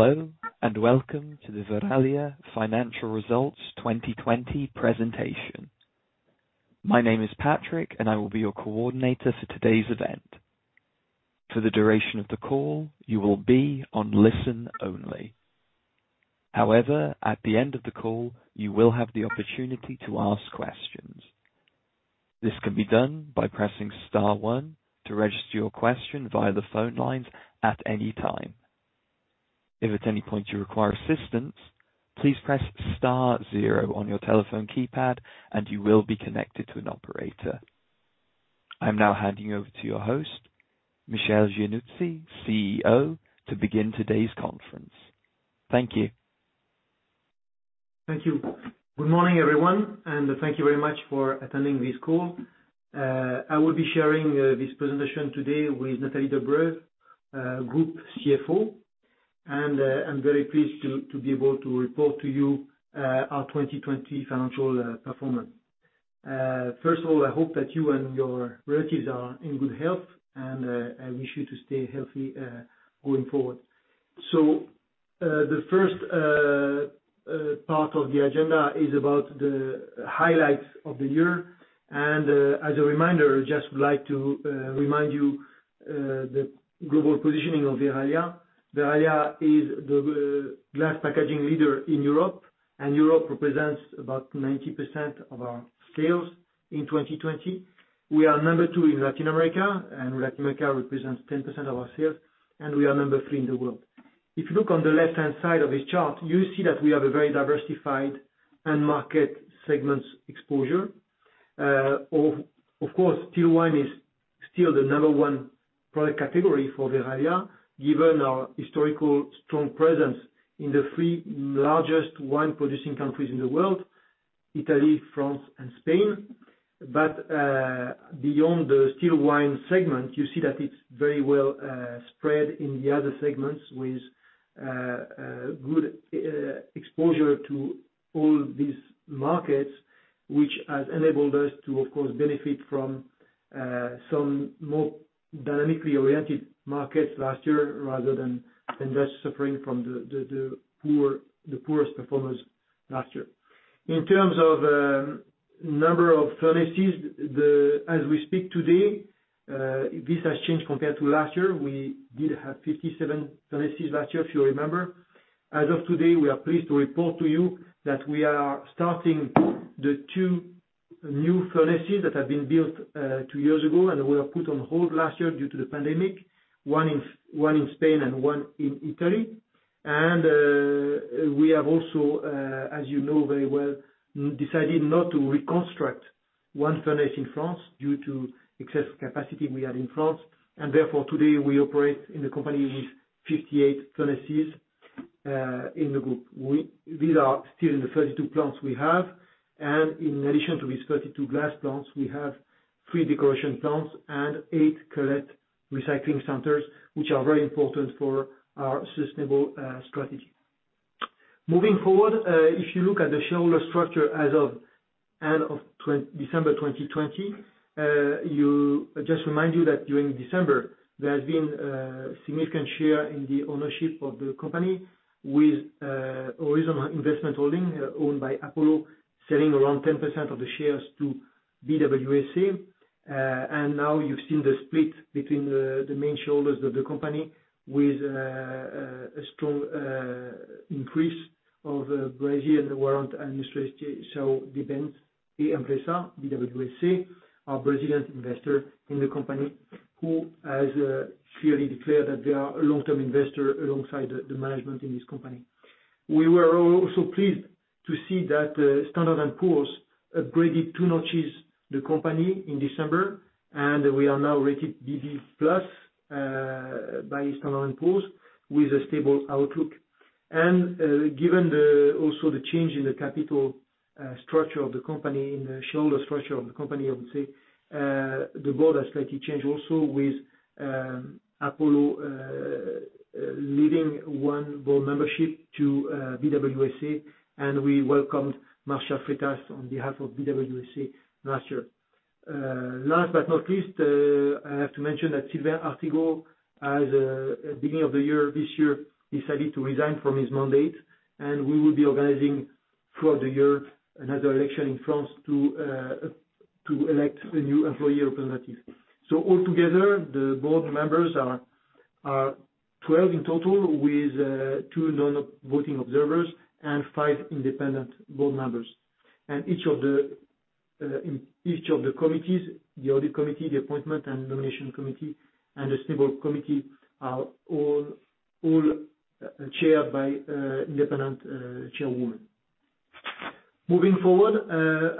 Hello, welcome to the Verallia Financial Results 2020 presentation. My name is Patrick, and I will be your coordinator for today's event. For the duration of the call, you will be on listen only. However, at the end of the call, you will have the opportunity to ask questions. This can be done by pressing star one to register your question via the phone lines at any time. If at any point you require assistance, please press star zero on your telephone keypad, and you will be connected to an operator. I'm now handing over to your host, Michel Giannuzzi, CEO, to begin today's conference. Thank you. Thank you. Good morning, everyone, and thank you very much for attending this call. I will be sharing this presentation today with Nathalie Delbreuve, Group CFO, and I'm very pleased to be able to report to you our 2020 financial performance. First of all, I hope that you and your relatives are in good health, and I wish you to stay healthy going forward. The first part of the agenda is about the highlights of the year, and as a reminder, just would like to remind you the global positioning of Verallia. Verallia is the glass packaging leader in Europe, and Europe represents about 90% of our sales in 2020. We are number two in Latin America, and Latin America represents 10% of our sales, and we are number three in the world. If you look on the left-hand side of this chart, you see that we have a very diversified end market segments exposure. Of course, Still Wine is still the number one product category for Verallia, given our historical strong presence in the three largest wine-producing countries in the world, Italy, France, and Spain. Beyond the Still Wine segment, you see that it's very well spread in the other segments with good exposure to all these markets, which has enabled us to, of course, benefit from some more dynamically oriented markets last year rather than just suffering from the poorest performers last year. In terms of number of furnaces, as we speak today, this has changed compared to last year. We did have 57 furnaces last year, if you remember. As of today, we are pleased to report to you that we are starting the two new furnaces that have been built two years ago and were put on hold last year due to the pandemic, one in Spain and one in Italy. We have also, as you know very well, decided not to reconstruct one furnace in France due to excess capacity we had in France, and therefore, today we operate in the company with 58 furnaces in the Group. These are still in the 32 plants we have. In addition to these 32 glass plants, we have three decoration plants and eight cullet recycling centers, which are very important for our sustainable strategy. Moving forward, if you look at the shareholder structure as of end of December 2020, just remind you that during December, there has been a significant share in the ownership of the company with Horizon Investment Holdings, owned by Apollo, selling around 10% of the shares to BWSA. Now you've seen the split between the main shareholders of the company with a strong increase of Brasil Warrant Administração de Bens e Empresa, BWSA, our Brazilian investor in the company, who has clearly declared that they are a long-term investor alongside the management in this company. We were also pleased to see that Standard & Poor's upgraded two notches the company in December, and we are now rated BB+ by Standard & Poor's with a stable outlook. Given also the change in the capital structure of the company, in the shareholder structure of the company, I would say, the Board has slightly changed also with Apollo leaving one Board membership to BWSA, and we welcomed Marcia Freitas on behalf of BWSA last year. Last but not least, I have to mention that Sylvain Artigau, at beginning of the year this year, decided to resign from his mandate, and we will be organizing, throughout the year, another election in France to elect the new employee representatives. Altogether, the Board members are 12 in total with two non-voting observers and five Independent Board Members. Each of the committees, the Audit Committee, the Appointment and Nomination Committee, and the Sustainable Committee are all chaired by independent chairwoman. I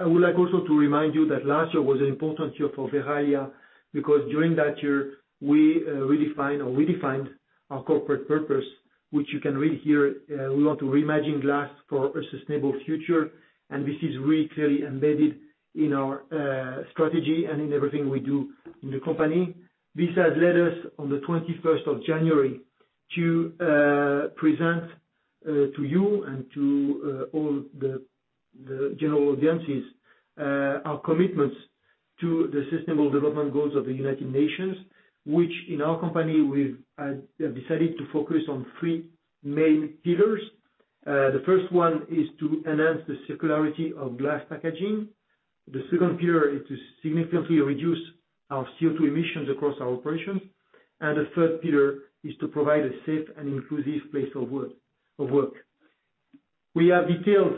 would like also to remind you that last year was an important year for Verallia because during that year we redefined our corporate purpose, which you can read here. We want to reimagine glass for a sustainable future, this is really clearly embedded in our strategy and in everything we do in the company. This has led us on the 21st of January to present to you and to all the general audiences, our commitments to the sustainable development goals of the United Nations, which in our company, we've decided to focus on three main pillars. The first one is to enhance the circularity of glass packaging. The second pillar is to significantly reduce our CO2 emissions across our operations. The third pillar is to provide a safe and inclusive place of work. We have detailed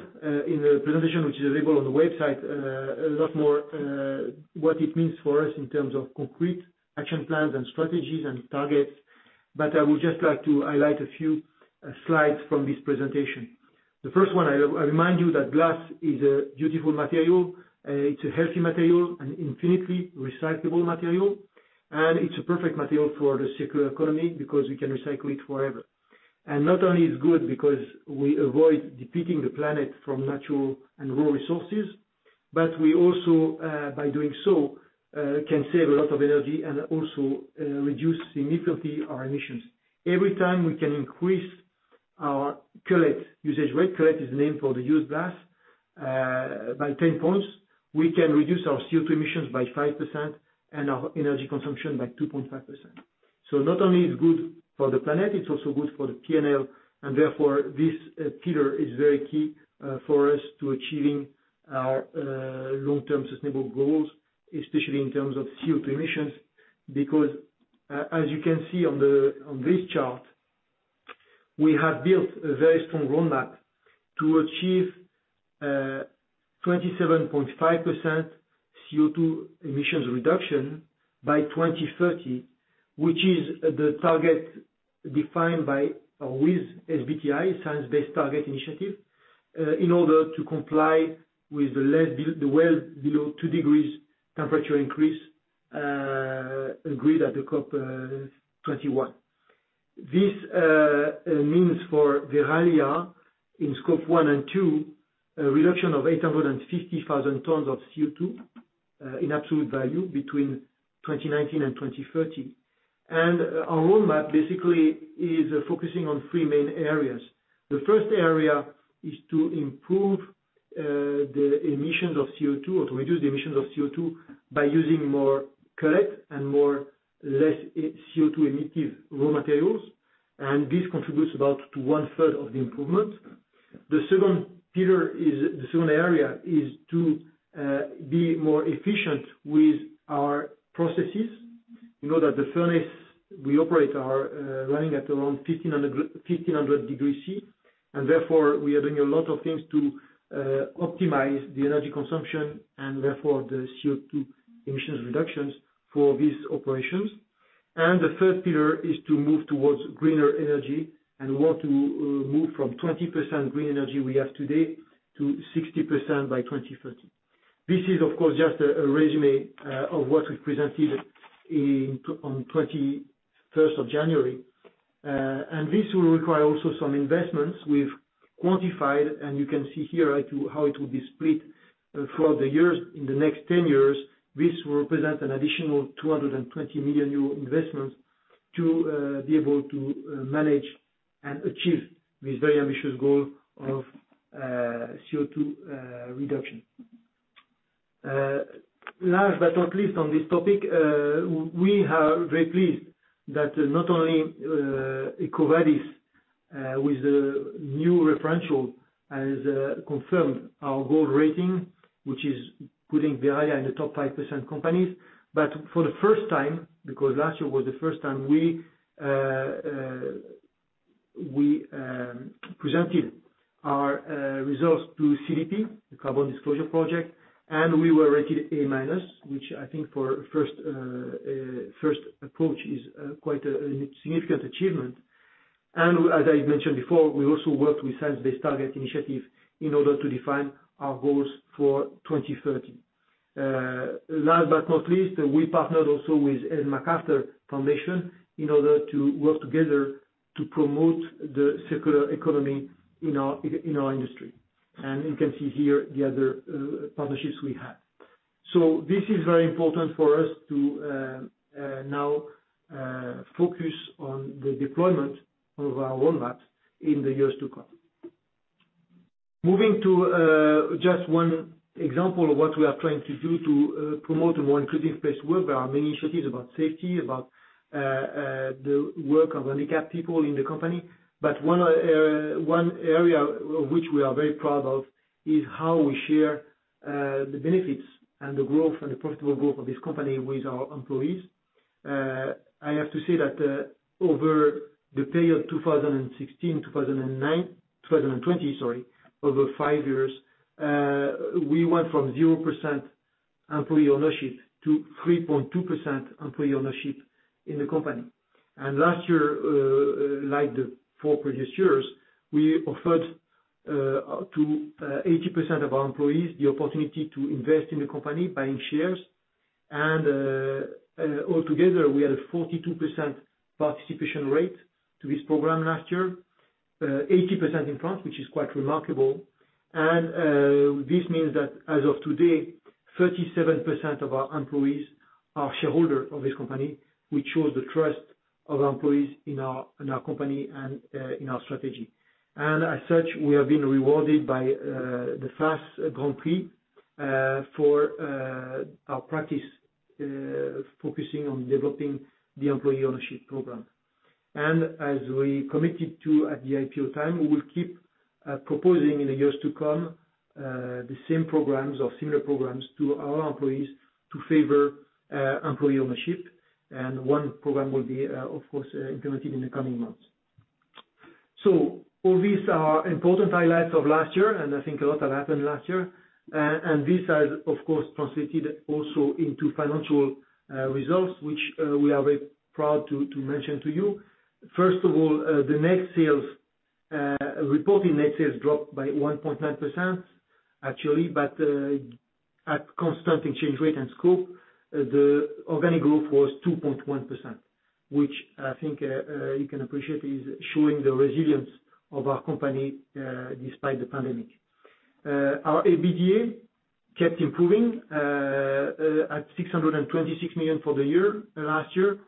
in the presentation, which is available on the website, a lot more, what it means for us in terms of concrete action plans and strategies and targets. I would just like to highlight a few slides from this presentation. The first one, I remind you that glass is a beautiful material. It's a healthy material, an infinitely recyclable material, and it's a perfect material for the circular economy because we can recycle it forever. Not only it's good because we avoid depleting the planet from natural and raw resources, we also, by doing so, can save a lot of energy and also reduce significantly our emissions. Every time we can increase our cullet usage rate, cullet is the name for the used glass, by 10 points, we can reduce our CO2 emissions by 5% and our energy consumption by 2.5%. Not only it's good for the planet, it's also good for the P&L, and therefore, this pillar is very key for us to achieving our long-term sustainable goals, especially in terms of CO2 emissions. Because as you can see on this chart, we have built a very strong roadmap to achieve 27.5% CO2 emissions reduction by 2030, which is the target defined by or with SBTi, Science Based Targets initiative, in order to comply with the well below 2 degrees temperature increase agreed at the COP 21. This means for Verallia, in Scope 1 and 2, a reduction of 850,000 tonnes of CO2 in absolute value between 2019 and 2030. Our roadmap basically is focusing on three main areas. The first area is to improve the emissions of CO2 or to reduce the emissions of CO2 by using more cullet and less CO2-emissive raw materials. This contributes about to one-third of the improvement. The second area is to be more efficient with our processes. You know that the furnace we operate are running at around 1,500 degrees Celsius, and therefore, we are doing a lot of things to optimize the energy consumption, and therefore, the CO2 emissions reductions for these operations. The third pillar is to move towards greener energy, and we want to move from 20% green energy we have today to 60% by 2030. This is, of course, just a résumé of what we presented on 21st of January. This will require also some investments. We've quantified. You can see here how it will be split throughout the years. In the next 10 years, this will represent an additional 220 million euro new investments to be able to manage and achieve this very ambitious goal of CO2 reduction. Last but not least on this topic, we are very pleased that not only EcoVadis with the new referential has confirmed our gold rating, which is putting Verallia in the top 5% companies, for the first time, because last year was the first time we presented our results to CDP, the Carbon Disclosure Project, and we were rated A-, which I think for a first approach is quite a significant achievement. As I mentioned before, we also worked with Science Based Targets initiative in order to define our goals for 2030. Last but not least, we partnered also with Ellen MacArthur Foundation in order to work together to promote the circular economy in our industry. You can see here the other partnerships we have. This is very important for us to now focus on the deployment of our roadmap in the years to come. Moving to just one example of what we are trying to do to promote a more inclusive place of work. There are many initiatives about safety, about the work of handicapped people in the company. One area which we are very proud of is how we share the benefits and the profitable growth of this company with our employees. I have to say that over the period 2016, 2020, over five years, we went from 0% employee ownership to 3.2% employee ownership in the company. Last year, like the four previous years, we offered to 80% of our employees the opportunity to invest in the company, buying shares. Altogether, we had a 42% participation rate to this program last year. 80% in France, which is quite remarkable. This means that as of today, 37% of our employees are shareholders of this company, which shows the trust of our employees in our company and in our strategy. As such, we have been rewarded by the FAS Grand Prix for our practice focusing on developing the employee ownership program. As we committed to at the IPO time, we will keep proposing in the years to come the same programs or similar programs to our employees to favor employee ownership. One program will be, of course, implemented in the coming months. All these are important highlights of last year. I think a lot has happened last year. This has, of course, translated also into financial results, which we are very proud to mention to you. First of all, reported net sales dropped by 1.9%, actually. At constant exchange rate and scope, the organic growth was 2.1%, which I think you can appreciate is showing the resilience of our company despite the pandemic. Our EBITDA kept improving at 626 million for the year, last year,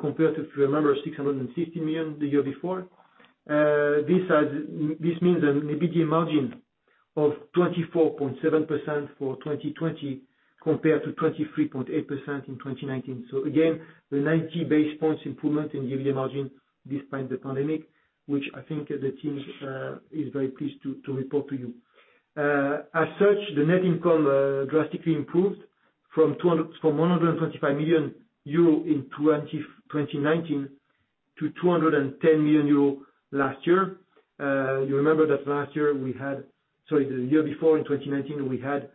compared to, if you remember, 660 million the year before. This means an EBITDA margin of 24.7% for 2020 compared to 23.8% in 2019. Again, the 90 basis points improvement in EBITDA margin despite the pandemic, which I think the team is very pleased to report to you. As such, the net income drastically improved from 125 million euro in 2019 to 210 million euro last year. You remember that last year we had, sorry, the year before, in 2019, we had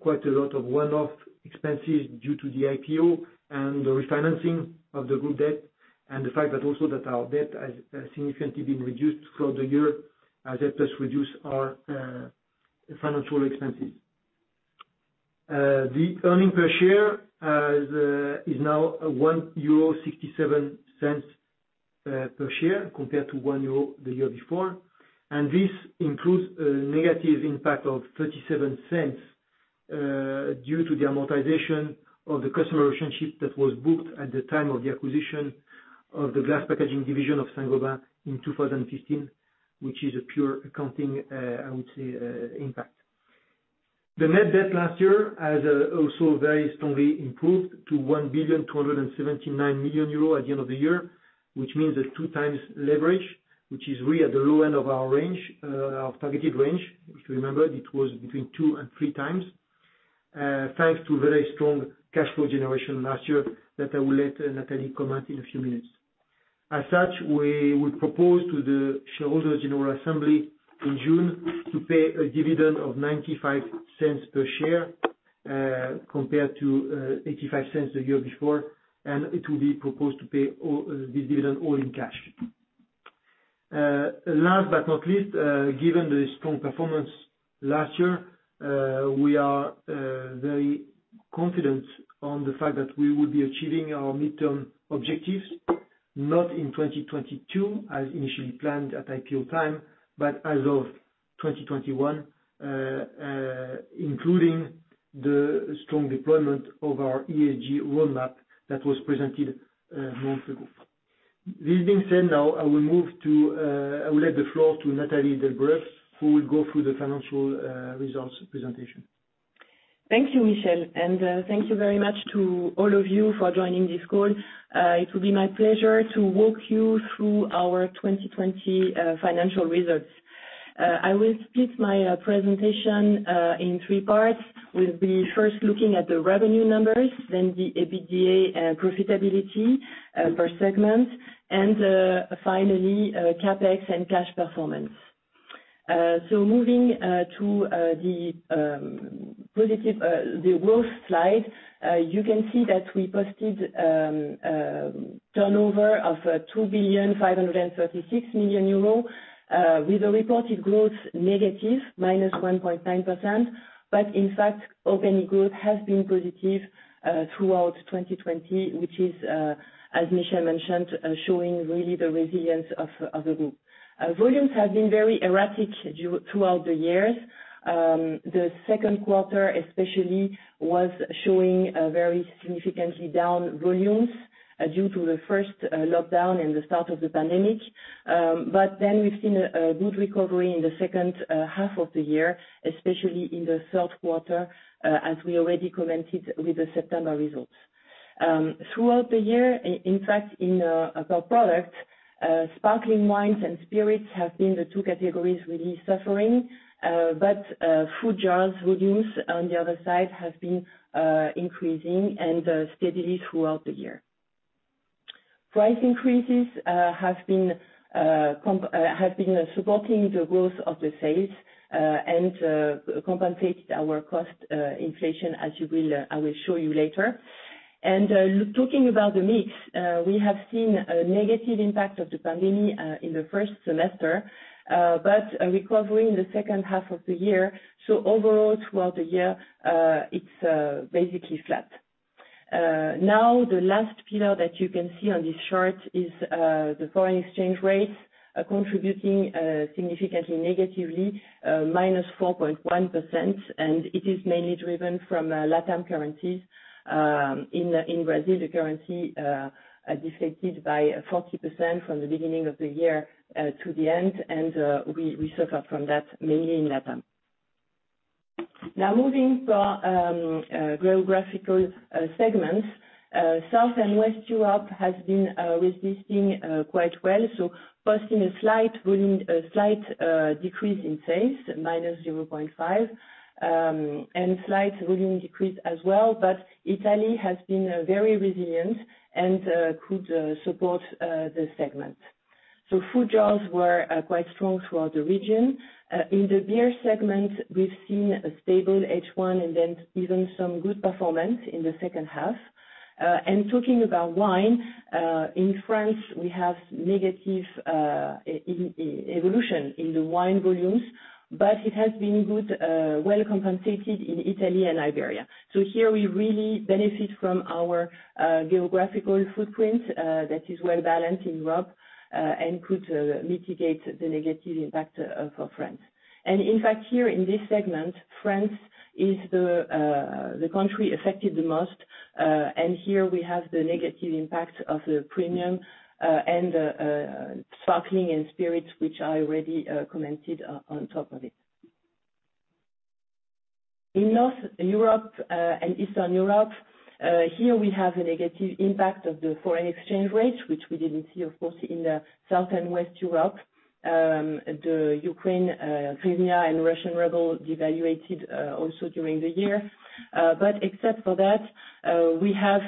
quite a lot of one-off expenses due to the IPO and the refinancing of the Group debt, and the fact that also that our debt has significantly been reduced throughout the year as it has reduced our financial expenses. The earnings per share is now 1.67 euro per share compared to 1 euro the year before. This includes a negative impact of 0.37 due to the amortization of the customer relationship that was booked at the time of the acquisition of the glass packaging division of Saint-Gobain in 2015, which is a pure accounting, I would say, impact. The net debt last year has also very strongly improved to 1,279 million euros at the end of the year, which means a 2x leverage, which is really at the low end of our targeted range. If you remember, it was between 2x and 3x. Thanks to very strong cash flow generation last year that I will let Nathalie comment in a few minutes. We would propose to the shareholders in our assembly in June to pay a dividend of 0.95 per share, compared to 0.85 the year before, and it will be proposed to pay this dividend all in cash. Given the strong performance last year, we are very confident on the fact that we will be achieving our midterm objectives, not in 2022 as initially planned at IPO time, but as of 2021, including the strong deployment of our ESG roadmap that was presented a month ago. Now, I will let the floor to Nathalie Delbreuve, who will go through the financial results presentation. Thank you, Michel, and thank you very much to all of you for joining this call. It will be my pleasure to walk you through our 2020 financial results. I will split my presentation in three parts. We'll be first looking at the revenue numbers, then the EBITDA profitability per segment, and finally, CapEx and cash performance. Moving to the growth slide, you can see that we posted turnover of 2,536 million euro with a reported growth negative -1.9%, but in fact, organic growth has been positive throughout 2020, which is, as Michel mentioned, showing really the resilience of the Group. Volumes have been very erratic throughout the years. The second quarter especially was showing very significantly down volumes due to the first lockdown and the start of the pandemic. We've seen a good recovery in the second half of the year, especially in the third quarter, as we already commented with the September results. Throughout the year, in fact, in our product, Sparkling Wines and Spirits have been the two categories really suffering. Food jars volumes, on the other side, have been increasing and steadily throughout the year. Price increases have been supporting the growth of the sales and compensated our cost inflation as I will show you later. Talking about the mix, we have seen a negative impact of the pandemic in the first semester, but a recovery in the second half of the year. Overall, throughout the year, it's basically flat. Now, the last pillar that you can see on this chart is the foreign exchange rates contributing significantly negatively, -4.1%, and it is mainly driven from LATAM currencies. In Brazil, the currency depleted by 40% from the beginning of the year to the end. We suffer from that mainly in LATAM. Now moving to geographical segments. South and West Europe has been resisting quite well. Posting a slight decrease in sales, -0.5%, and slight volume decrease as well. Italy has been very resilient and could support the segment. Food jars were quite strong throughout the region. In the Beer segment, we've seen a stable H1 and then even some good performance in the second half. Talking about Wine, in France we have negative evolution in the Wine volumes. It has been good, well compensated in Italy and Iberia. Here we really benefit from our geographical footprint that is well balanced in Europe and could mitigate the negative impact of France. In fact, here in this segment, France is the country affected the most. Here we have the negative impact of the Premium and Sparkling and Spirits, which I already commented on top of it. In Northern and Eastern Europe, here we have a negative impact of the foreign exchange rates, which we didn't see, of course, in the South and West Europe. The Ukraine hryvnia, and Russian ruble devaluated also during the year. Except for that, we have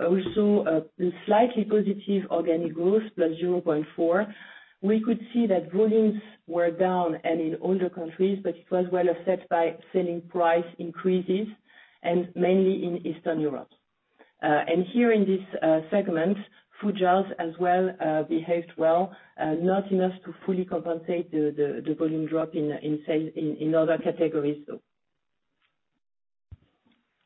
also a slightly positive organic growth, +0.4%. We could see that volumes were down and in all the countries, but it was well offset by selling price increases and mainly in Eastern Europe. Here in this segment, food jars as well behaved well, not enough to fully compensate the volume drop in sales in other categories though.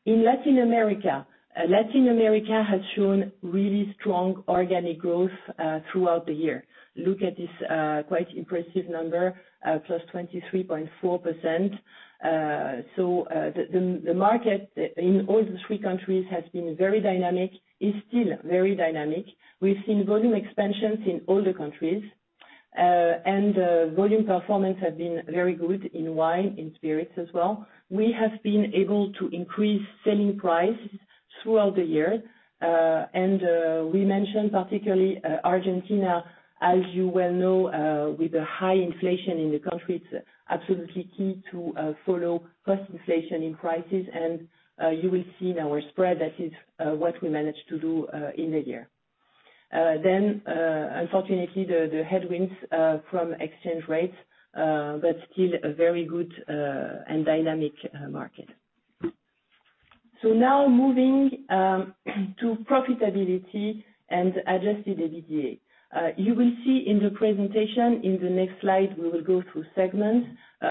In Latin America, Latin America has shown really strong organic growth throughout the year. Look at this quite impressive number, +23.4%. The market in all the three countries has been very dynamic, is still very dynamic. We've seen volume expansions in all the countries. Volume performance has been very good in Wine, in Spirits as well. We have been able to increase selling prices throughout the year. We mentioned particularly Argentina, as you well know, with the high inflation in the country, it's absolutely key to follow cost inflation in prices. You will see in our spread that is what we managed to do in the year. Unfortunately, the headwinds from exchange rates, but still a very good and dynamic market. Now moving to profitability and adjusted EBITDA. You will see in the presentation in the next slide, we will go through segments.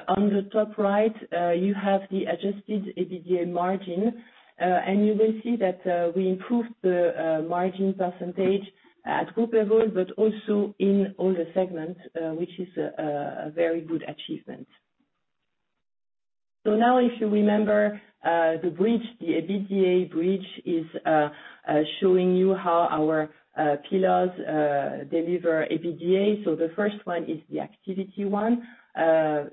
On the top right, you have the adjusted EBITDA margin. You will see that we improved the margin percentage at Group level, but also in all the segments, which is a very good achievement. Now if you remember the bridge, the EBITDA bridge, is showing you how our pillars deliver EBITDA. The first one is the activity one.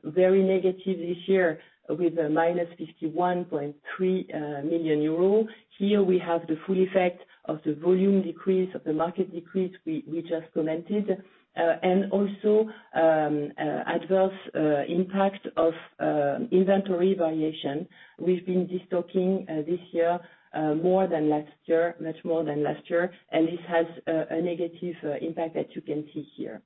Very negative this year with a -51.3 million euro. Here we have the full effect of the volume decrease, of the market decrease we just commented. Also adverse impact of inventory variation. We've been destocking this year more than last year, much more than last year. This has a negative impact that you can see here.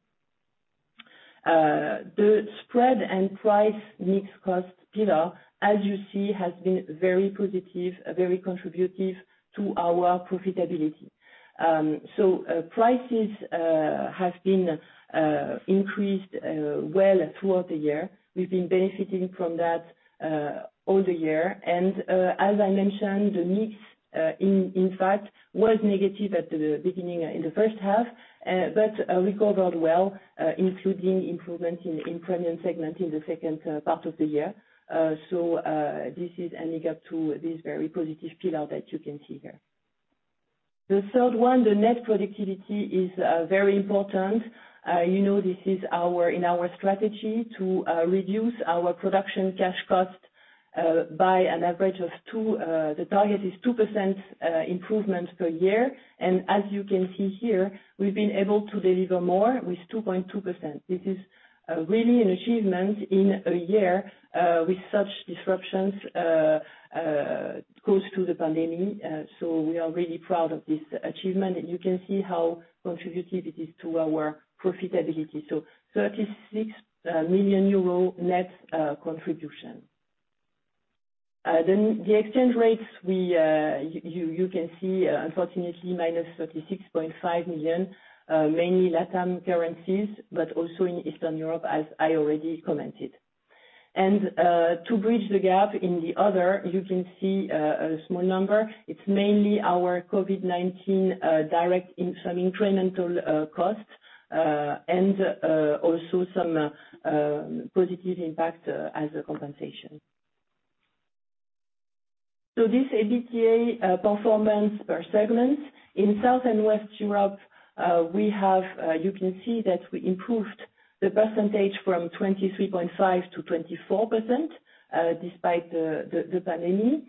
The spread and price mix cost pillar, as you see, has been very positive, very contributive to our profitability. Prices have been increased well throughout the year. We've been benefiting from that all the year. As I mentioned, the mix, in fact, was negative at the beginning in the first half. Recovered well including improvement in Premium segment in the second part of the year. This is adding up to this very positive pillar that you can see here. The third, the net productivity is very important. You know this is in our strategy to reduce our production cash cost by an average of 2%. The target is 2% improvement per year. As you can see here, we've been able to deliver more with 2.2%. This is really an achievement in a year with such disruptions close to the pandemic. We are really proud of this achievement. You can see how contributive it is to our profitability. 36 million euro net contribution. The exchange rates, you can see unfortunately -36.5 million, mainly LATAM currencies, but also in Eastern Europe as I already commented. To bridge the gap in the other, you can see a small number. It's mainly our COVID-19 direct incremental costs and also some positive impact as a compensation. This EBITDA performance per segment. In South and West Europe, you can see that we improved the percentage from 23.5% to 24%, despite the pandemic.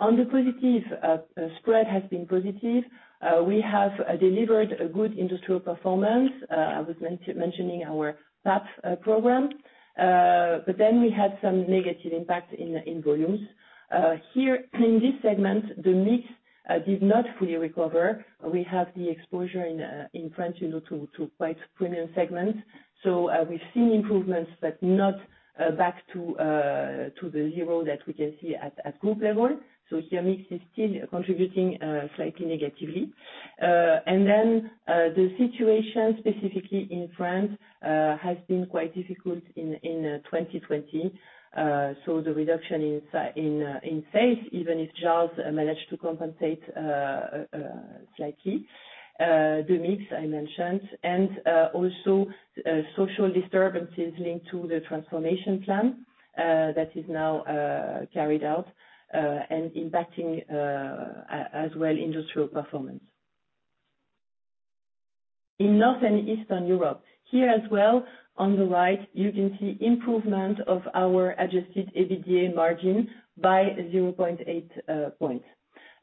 On the positive, spread has been positive. We have delivered a good industrial performance. I was mentioning our PAP program. We had some negative impact in volumes. Here in this segment, the mix did not fully recover. We have the exposure in France to quite premium segments. We've seen improvements, but not back to the zero that we can see at Group level. Here, mix is still contributing slightly negatively. The situation specifically in France has been quite difficult in 2020. The reduction in sales, even if jars managed to compensate slightly. The mix I mentioned, and also social disturbances linked to the transformation plan that is now carried out and impacting as well industrial performance. In Northern and Eastern Europe, here as well, on the right, you can see improvement of our adjusted EBITDA margin by 0.8 points.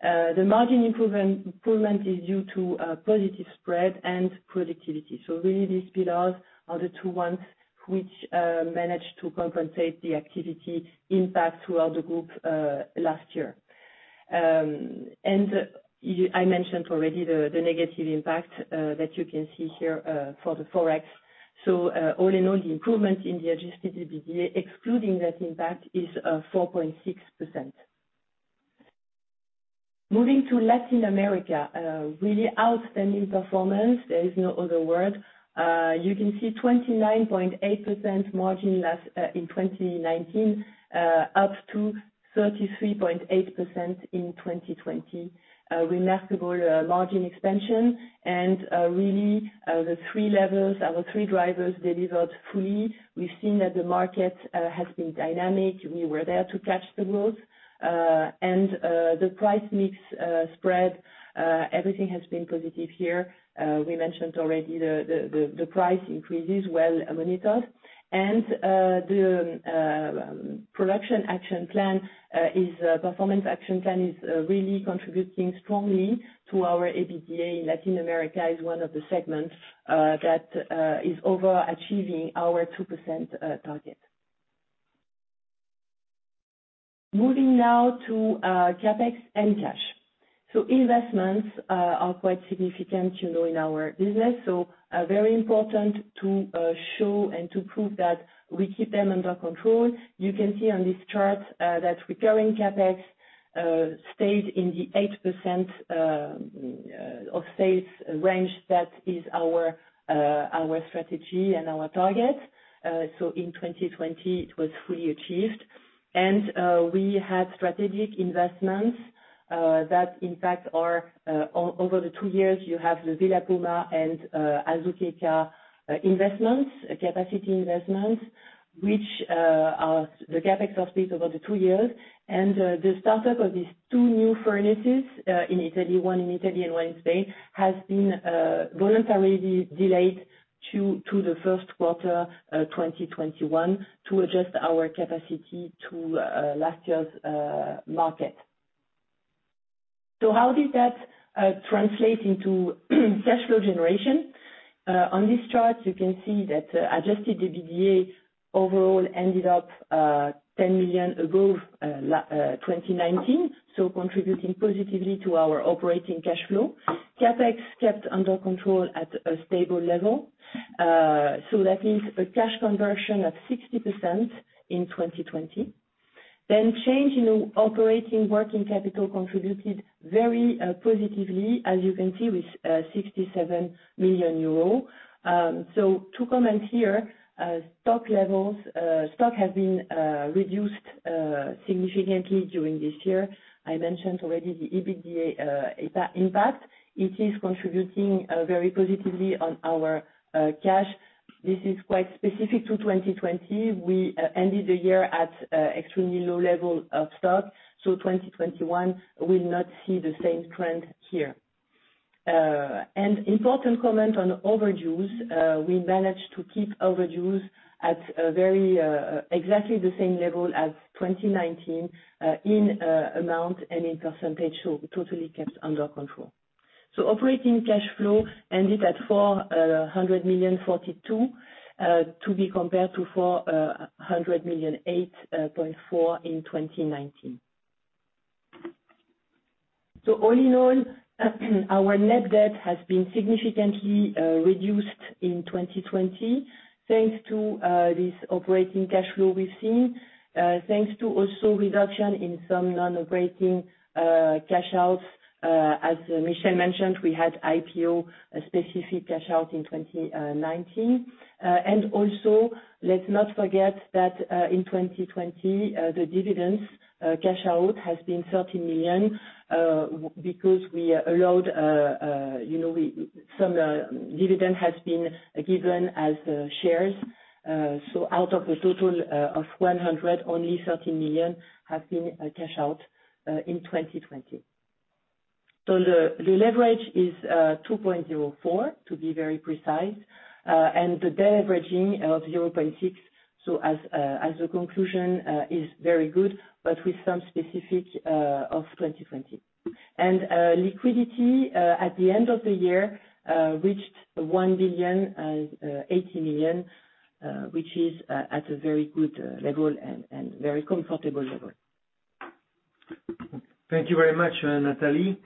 The margin improvement is due to positive spread and productivity. Really these pillars are the two ones which managed to compensate the activity impact throughout the Group last year. I mentioned already the negative impact that you can see here for the forex. All in all, the improvement in the adjusted EBITDA, excluding that impact, is 4.6%. Moving to Latin America, a really outstanding performance. There is no other word. You can see 29.8% margin in 2019, up to 33.8% in 2020. A remarkable margin expansion and really, the three levels, our three drivers delivered fully. We've seen that the market has been dynamic. We were there to catch the growth. The price mix spread, everything has been positive here. We mentioned already the price increases well monitored, and the production action plan, Performance Action Plan is really contributing strongly to our EBITDA in Latin America, is one of the segments that is overachieving our 2% target. Moving now to CapEx and cash. Investments are quite significant in our business, very important to show and to prove that we keep them under control. You can see on this chart that recurring CapEx stayed in the 8% of sales range. That is our strategy and our target. In 2020, it was fully achieved. We had strategic investments that impact our—over the two years, you have the Villa Poma and Azuqueca investments, capacity investments, which are the CapEx of these over the two years. The startup of these two new furnaces, one in Italy, and one in Spain, has been voluntarily delayed to the first quarter 2021 to adjust our capacity to last year's market. How did that translate into cash flow generation? On this chart, you can see that adjusted EBITDA overall ended up 10 million above 2019, contributing positively to our operating cash flow. CapEx kept under control at a stable level. That is a cash conversion of 60% in 2020. Change in operating working capital contributed very positively, as you can see, with 67 million euros. To comment here, stock levels. Stock has been reduced significantly during this year. I mentioned already the EBITDA impact. It is contributing very positively on our cash. This is quite specific to 2020. We ended the year at extremely low level of stock, so 2021 will not see the same trend here. Important comment on overdues. We managed to keep overdues at exactly the same level as 2019, in amount and in percentage, so totally kept under control. Operating cash flow ended at 442 million, to be compared to 408.4 million in 2019. All in all, our net debt has been significantly reduced in 2020 thanks to this operating cash flow we've seen. Thanks to also reduction in some non-operating cash outs. As Michel mentioned, we had IPO, a specific cash out in 2019. Also, let's not forget that, in 2020, the dividends cash out has been EUR 30 million, because some dividend has been given as shares. Out of a total of 100 million, only 13 million has been cash out in 2020. The leverage is 2.04x, to be very precise, and the de-leveraging of 0.6x. So as a conclusion, is very good but with some specific of 2020. Liquidity, at the end of the year, reached 1,080 million, which is at a very good level and very comfortable level. Thank you very much, Nathalie.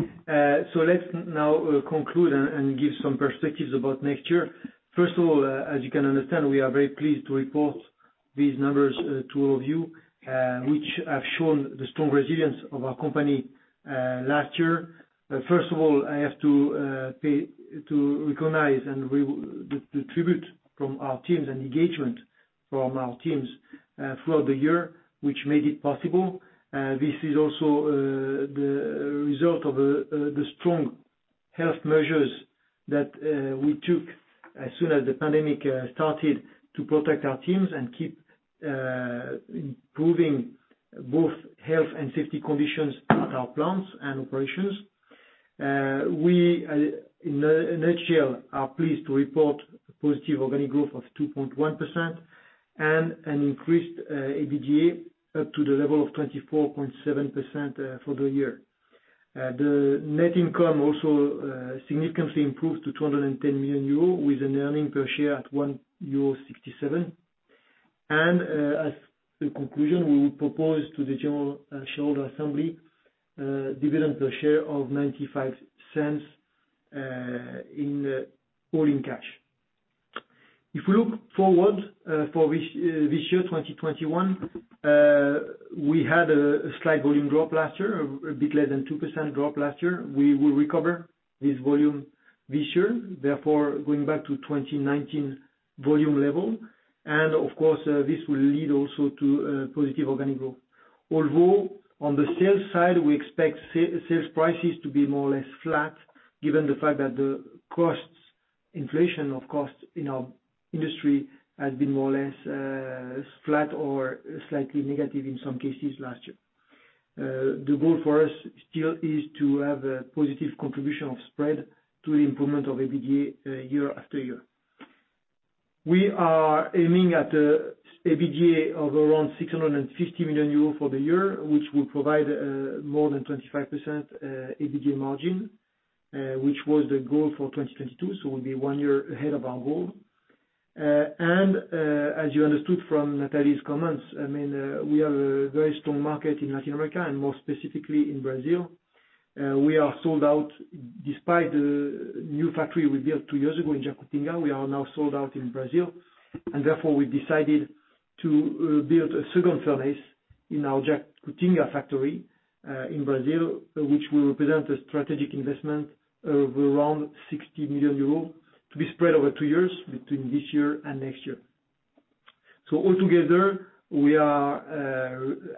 Let's now conclude and give some perspectives about next year. First of all, as you can understand, we are very pleased to report these numbers to all of you, which have shown the strong resilience of our company last year. First of all, I have to recognize and the tribute from our teams, and engagement from our teams throughout the year, which made it possible. This is also the result of the strong health measures that we took as soon as the pandemic started, to protect our teams and keep improving both health and safety conditions at our plants and operations. We, in a nutshell, are pleased to report a positive organic growth of 2.1% and an increased EBITDA up to the level of 24.7% for the year. The net income also significantly improved to 210 million euro, with an earning per share at 1.67 euro. As the conclusion, we will propose to the general shareholder assembly, dividend per share of 0.95 in all-in cash. If we look forward, for this year, 2021, we had a slight volume drop last year, a bit less than 2% drop last year. We will recover this volume this year, therefore going back to 2019 volume level. Of course, this will lead also to positive organic growth. Although, on the sales side, we expect sales prices to be more or less flat, given the fact that the inflation of costs in our industry has been more or less flat or slightly negative in some cases last year. The goal for us still is to have a positive contribution of spread to the improvement of EBITDA year after year. We are aiming at an EBITDA of around 650 million euros for the year, which will provide more than 25% EBITDA margin, which was the goal for 2022. We will be one year ahead of our goal. As you understood from Nathalie's comments, we have a very strong market in Latin America, and more specifically in Brazil. We are sold out. Despite the new factory we built two years ago in Jacutinga, we are now sold out in Brazil. Therefore, we decided to build a second furnace in our Jacutinga Factory, in Brazil, which will represent a strategic investment of around 60 million euros to be spread over two years between this year and next year. Altogether,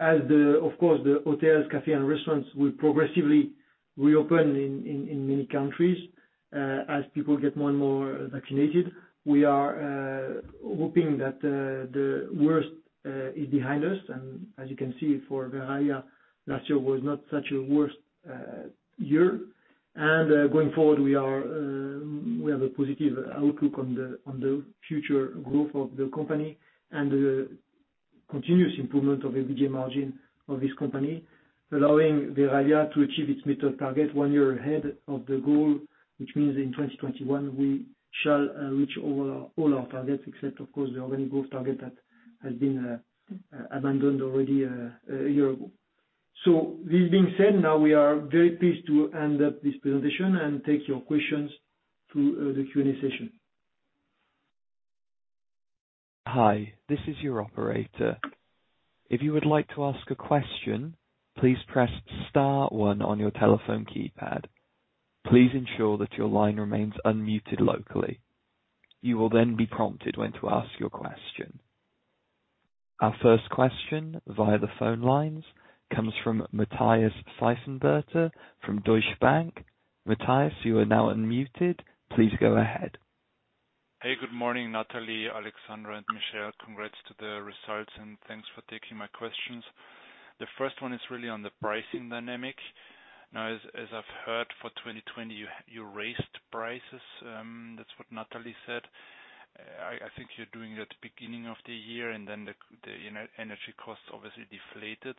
as, of course, the hotels, café, and restaurants will progressively reopen in many countries, as people get more and more vaccinated, we are hoping that the worst is behind us. As you can see, for Verallia, last year was not such a worst year. Going forward, we have a positive outlook on the future growth of the company and the continuous improvement of EBITDA margin of this company, allowing Verallia to achieve its mid-term target one year ahead of the goal, which means in 2021, we shall reach all our targets except, of course, the organic growth target that has been abandoned already a year ago. This being said, now we are very pleased to end up this presentation and take your questions through the Q&A session. Hi, this is your operator. If you would like to ask a question please press star one on your telephone keypad. Please ensure that your line remains unmuted locally. You will then be prompted when to ask your question. Our first question via the phone lines comes from Matthias Pfeifenberger from Deutsche Bank. Hey, good morning, Nathalie, Alexandra, and Michel. Congrats to the results, and thanks for taking my questions. The first one is really on the pricing dynamic. As I've heard for 2020, you raised prices. That's what Nathalie said. I think you're doing it at the beginning of the year, and then the energy costs obviously deflated.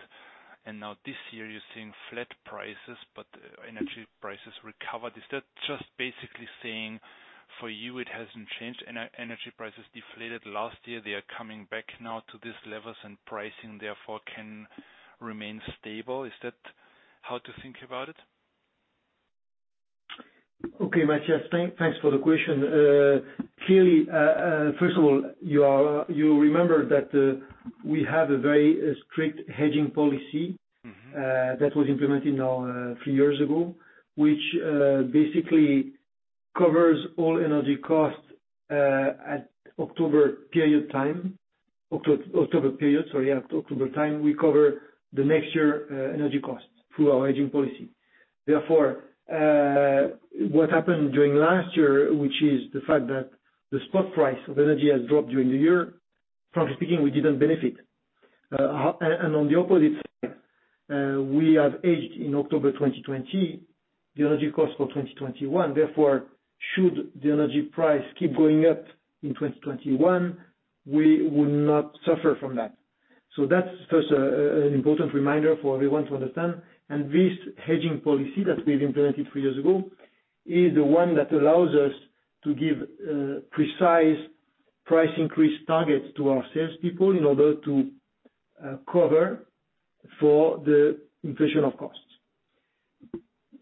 This year, you're seeing flat prices, but energy prices recovered. Is that just basically saying for you it hasn't changed, and energy prices deflated last year, they are coming back now to these levels and pricing therefore can remain stable? Is that how to think about it? Okay, Matthias, thanks for the question. First of all, you'll remember that we have a very strict hedging policy that was implemented now a few years ago, which basically covers all energy costs at October period time. October period, sorry, at October time, we cover the next year energy costs through our hedging policy. What happened during last year, which is the fact that the spot price of energy has dropped during the year, frankly speaking, we didn't benefit. On the opposite side, we have hedged in October 2020 the energy cost for 2021, therefore, should the energy price keep going up in 2021, we will not suffer from that. That's first, an important reminder for everyone to understand. This hedging policy that we've implemented three years ago is the one that allows us to give precise price increase targets to our salespeople in order to cover for the inflation of costs.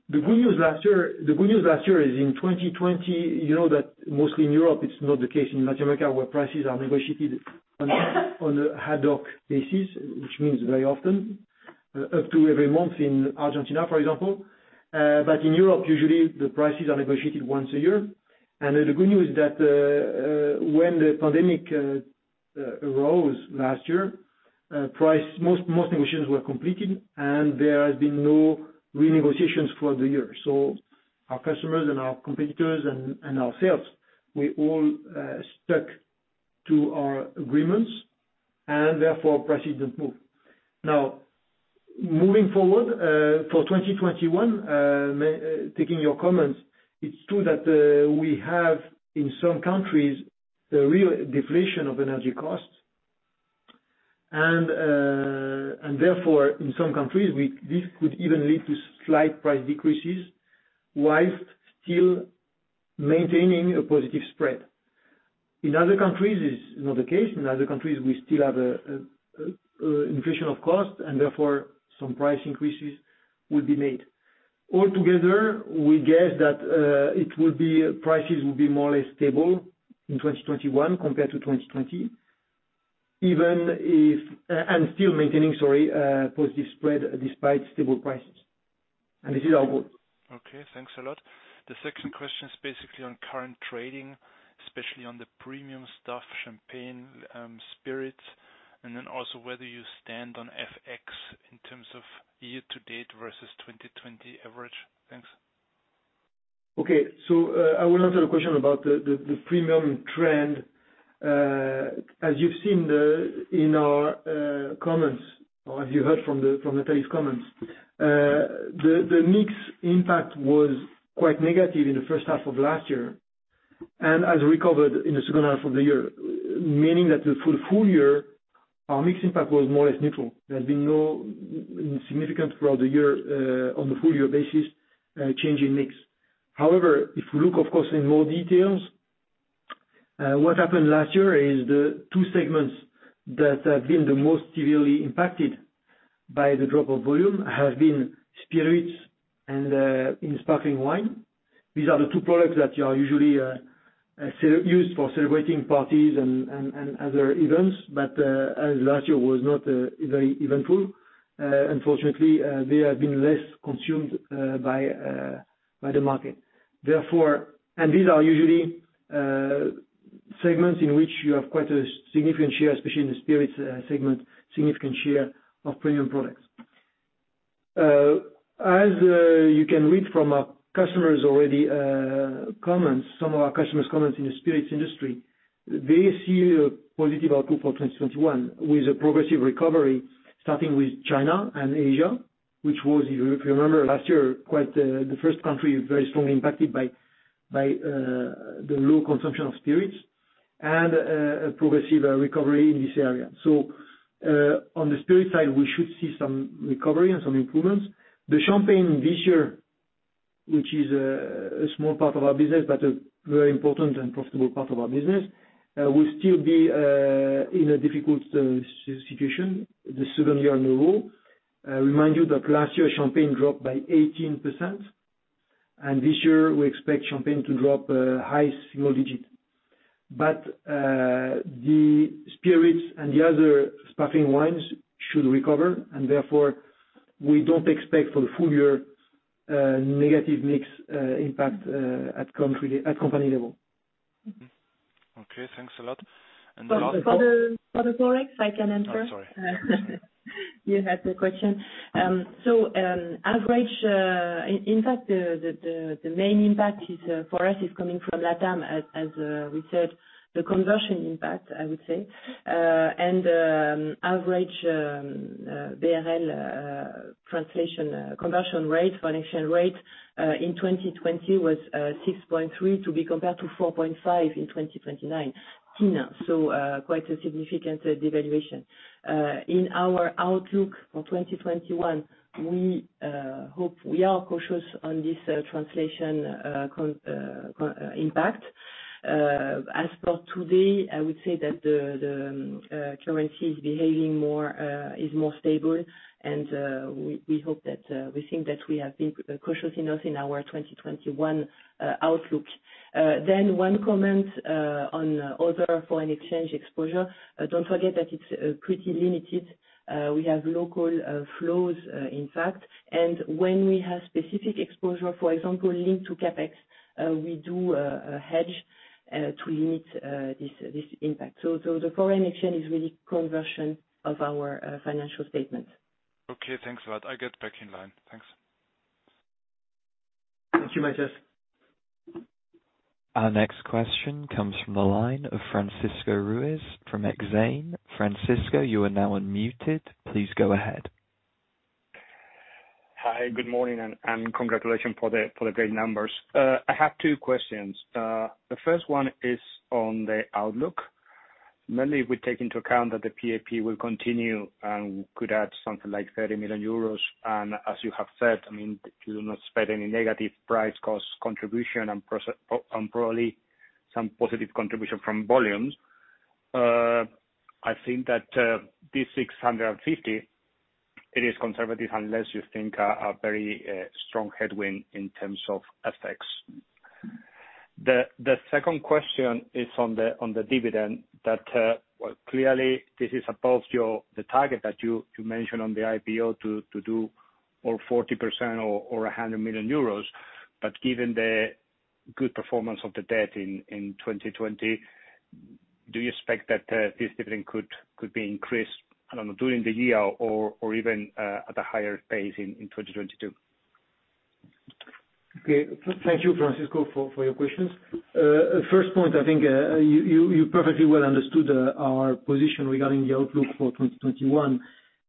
The good news last year is in 2020, you know that mostly in Europe, it is not the case in Latin America where prices are negotiated on ad hoc basis, which means very often, up to every month in Argentina, for example. In Europe, usually the prices are negotiated once a year. The good news is that, when the pandemic arose last year, most negotiations were completed and there has been no renegotiations for the year. Our customers and our competitors and ourselves, we all stuck to our agreements and therefore prices did not move. Moving forward, for 2021, taking your comments, it's true that we have, in some countries, a real deflation of energy costs. Therefore, in some countries, this could even lead to slight price decreases while still maintaining a positive spread. In other countries, it's not the case. In other countries, we still have an inflation of cost and therefore some price increases will be made. Altogether, we guess that prices will be more or less stable in 2021 compared to 2020, and still maintaining, sorry, positive spread despite stable prices. This is our goal. Okay, thanks a lot. The second question is basically on current trading, especially on the Premium stuff, Champagne, Spirits, and then also whether you stand on FX in terms of year to date versus 2020 average. Thanks. I will answer the question about the premium trend. As you've seen in our comments or as you heard from Nathalie's comments, the mix impact was quite negative in the first half of last year and has recovered in the second half of the year, meaning that the full year, our mix impact was more or less neutral. There has been no significant, throughout the year, on the full year basis, change in mix. If you look, of course, in more details, what happened last year is the two segments that have been the most severely impacted by the drop of volume has been Spirits and in Sparkling Wine. These are the two products that are usually used for celebrating parties and other events. As last year was not very eventful, unfortunately, they have been less consumed by the market. These are usually segments in which you have quite a significant share, especially in the Spirits segment, significant share of premium products. You can read from our customers' already comments, some of our customers' comments in the spirits industry, they see a positive outlook for 2021 with a progressive recovery starting with China and Asia, which was, if you remember last year, the first country very strongly impacted by the low consumption of spirits and a progressive recovery in this area. On the Spirit side, we should see some recovery and some improvements. The Champagne this year, which is a small part of our business, but a very important and profitable part of our business, will still be in a difficult situation the second year in a row. I remind you that last year Champagne dropped by 18%, and this year we expect Champagne to drop a high single-digit. The Spirits and the other Sparkling Wines should recover and therefore we don't expect for the full year negative mix impact at company level. Mm-hmm. Okay, thanks a lot. For the forex, I can answer. Oh, sorry. You had the question. Average, in fact, the main impact for us is coming from LATAM as we said, the conversion impact, I would say, and average BRL conversion rate, financial rate, in 2020 was 6.3 to be compared to 4.5 in 2019. Quite a significant devaluation. In our outlook for 2021, we are cautious on this translation impact. As for today, I would say that the currency is behaving more stable, and we think that we have been cautious enough in our 2021 outlook. One comment on other foreign exchange exposure. Don't forget that it's pretty limited. We have local flows, in fact, and when we have specific exposure, for example, linked to CapEx, we do a hedge to limit this impact. The foreign exchange is really conversion of our financial statement. Okay, thanks a lot. I get back in line. Thanks. Thank you, Matthias. Our next question comes from the line of Francisco Ruiz from Exane. Francisco, you are now unmuted. Please go ahead. Hi, good morning, and congratulations for the great numbers. I have two questions. The first one is on the outlook. Mainly, if we take into account that the PAP will continue and could add something like 30 million euros, and as you have said, you do not expect any negative price/cost contribution and probably some positive contribution from volumes. I think that this 650 million, it is conservative unless you think a very strong headwind in terms of FX. The second question is on the dividend that, clearly this is above the target that you mentioned on the IPO to do, or 40% or 100 million euros, but given the good performance of the debt in 2020, do you expect that this dividend could be increased, I don't know, during the year or even at a higher pace in 2022? Okay. Thank you, Francisco, for your questions. First point, I think you perfectly well understood our position regarding the outlook for 2021,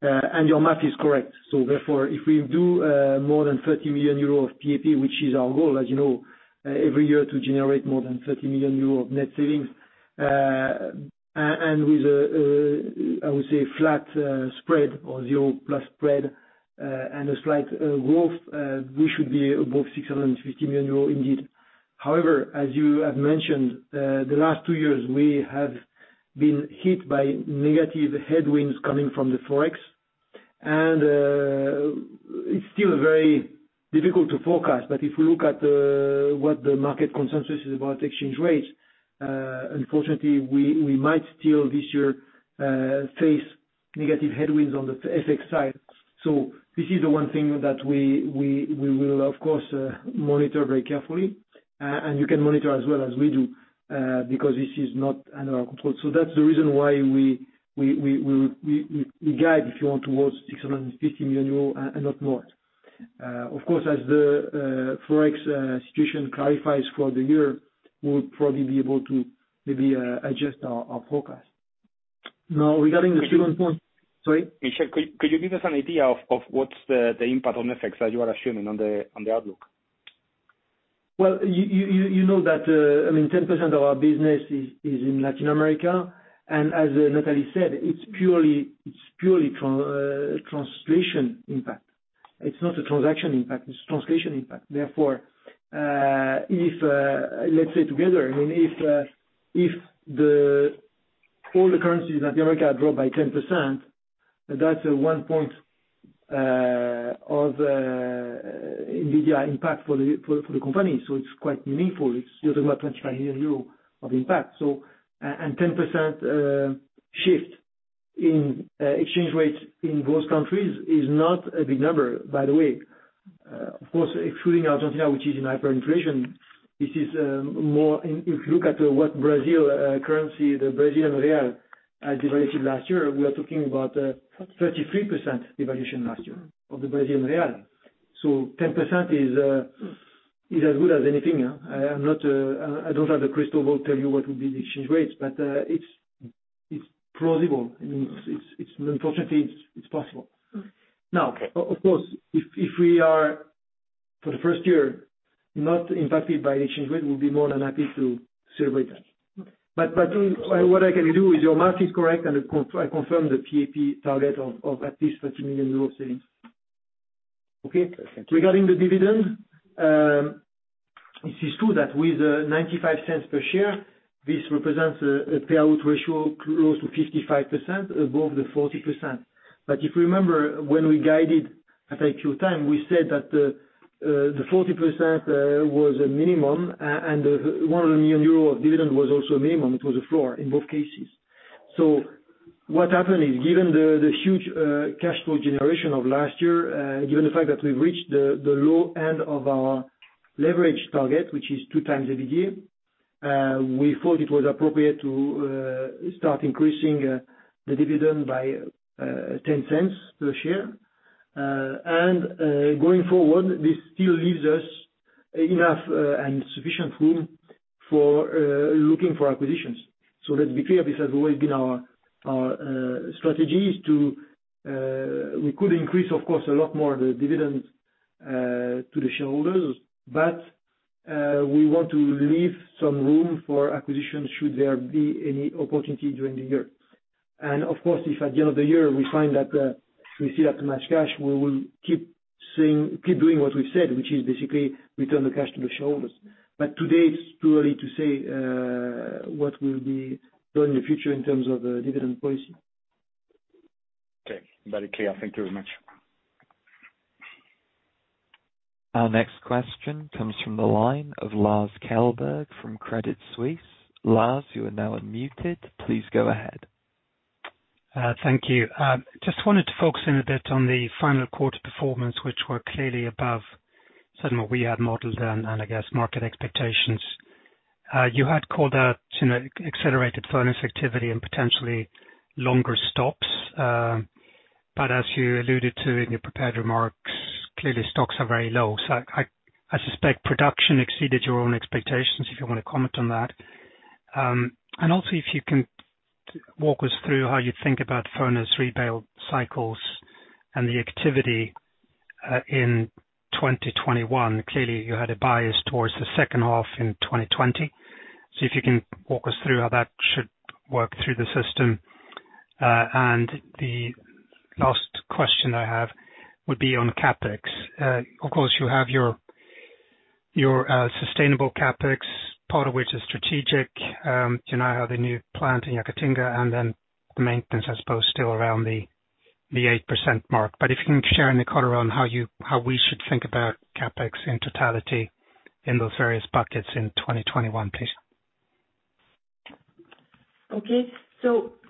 and your math is correct. Therefore, if we do more than 30 million euro of PAP, which is our goal, as you know, every year to generate more than 30 million euro of net savings, and with, I would say, flat spread or zero plus spread, and a slight growth, we should be above 650 million euro indeed. However, as you have mentioned, the last two years, we have been hit by negative headwinds coming from the Forex, and it's still very difficult to forecast. If we look at what the market consensus is about exchange rates, unfortunately we might still this year face negative headwinds on the FX side. This is the one thing that we will, of course, monitor very carefully, and you can monitor as well as we do, because this is not under our control. That's the reason why we guide, if you want, towards 650 million euro and not more. Of course, as the forex situation clarifies throughout the year, we'll probably be able to maybe adjust our forecast. Regarding the second point—sorry? Michel, could you give us an idea of what's the impact on FX that you are assuming on the outlook? You know that 10% of our business is in Latin America, and as Nathalie said, it's purely translation impact. It's not a transaction impact, it's a translation impact. Let's say together, if all the currencies in Latin America drop by 10%, that's 1 point of EBITDA impact for the company. It's quite meaningful. You're talking about 25 million euro of impact. 10% shift in exchange rates in those countries is not a big number, by the way. Of course, excluding Argentina, which is in hyperinflation, if you look at what Brazil currency, the Brazilian real, has devalued last year, we are talking about 33% devaluation last year of the Brazilian real. 10% is as good as anything. I don't have a crystal ball tell you what will be the exchange rates, but it's plausible. Unfortunately, it's possible. Of course, if we are for the first year not impacted by exchange rate, we'll be more than happy to celebrate that. What I can do is, your math is correct, and I confirm the PAP target of at least 30 million euro savings. Okay. Okay. Thank you. Regarding the dividend, this is true that with 0.95 per share, this represents a payout ratio close to 55%, above the 40%. If you remember, when we guided at H2 time, we said that the 40% was a minimum, and the 100 million euro of dividend was also a minimum. It was a floor in both cases. What happened is, given the huge cash flow generation of last year, given the fact that we've reached the low end of our leverage target, which is 2x EBITDA, we thought it was appropriate to start increasing the dividend by 0.10 per share. Going forward, this still leaves us enough and sufficient room for looking for acquisitions. Let's be clear, this has always been our strategy, is we could increase, of course, a lot more the dividends to the shareholders, but we want to leave some room for acquisition should there be any opportunity during the year. Of course, if at the end of the year we find that we still have too much cash, we will keep doing what we've said, which is basically return the cash to the shareholders. Today, it's too early to say what will be done in the future in terms of the dividend policy. Okay. Very clear. Thank you very much. Our next question comes from the line of Lars Kjellberg from Credit Suisse. Lars, you are now unmuted. Please go ahead. Thank you. Just wanted to focus in a bit on the final quarter performance, which were clearly above certainly what we had modeled and I guess market expectations. You had called out accelerated furnace activity and potentially longer stops. As you alluded to in your prepared remarks, clearly stocks are very low. I suspect production exceeded your own expectations, if you want to comment on that? Also, if you can walk us through how you think about furnace rebuild cycles and the activity in 2021. Clearly, you had a bias towards the second half in 2020. If you can walk us through how that should work through the system. The last question I have would be on the CapEx. Of course, you have your sustainable CapEx, part of which is strategic. You now have the new plant in Jacutinga, and then the maintenance, I suppose still around the 8% mark. If you can share any color on how we should think about CapEx in totality in those various buckets in 2021, please?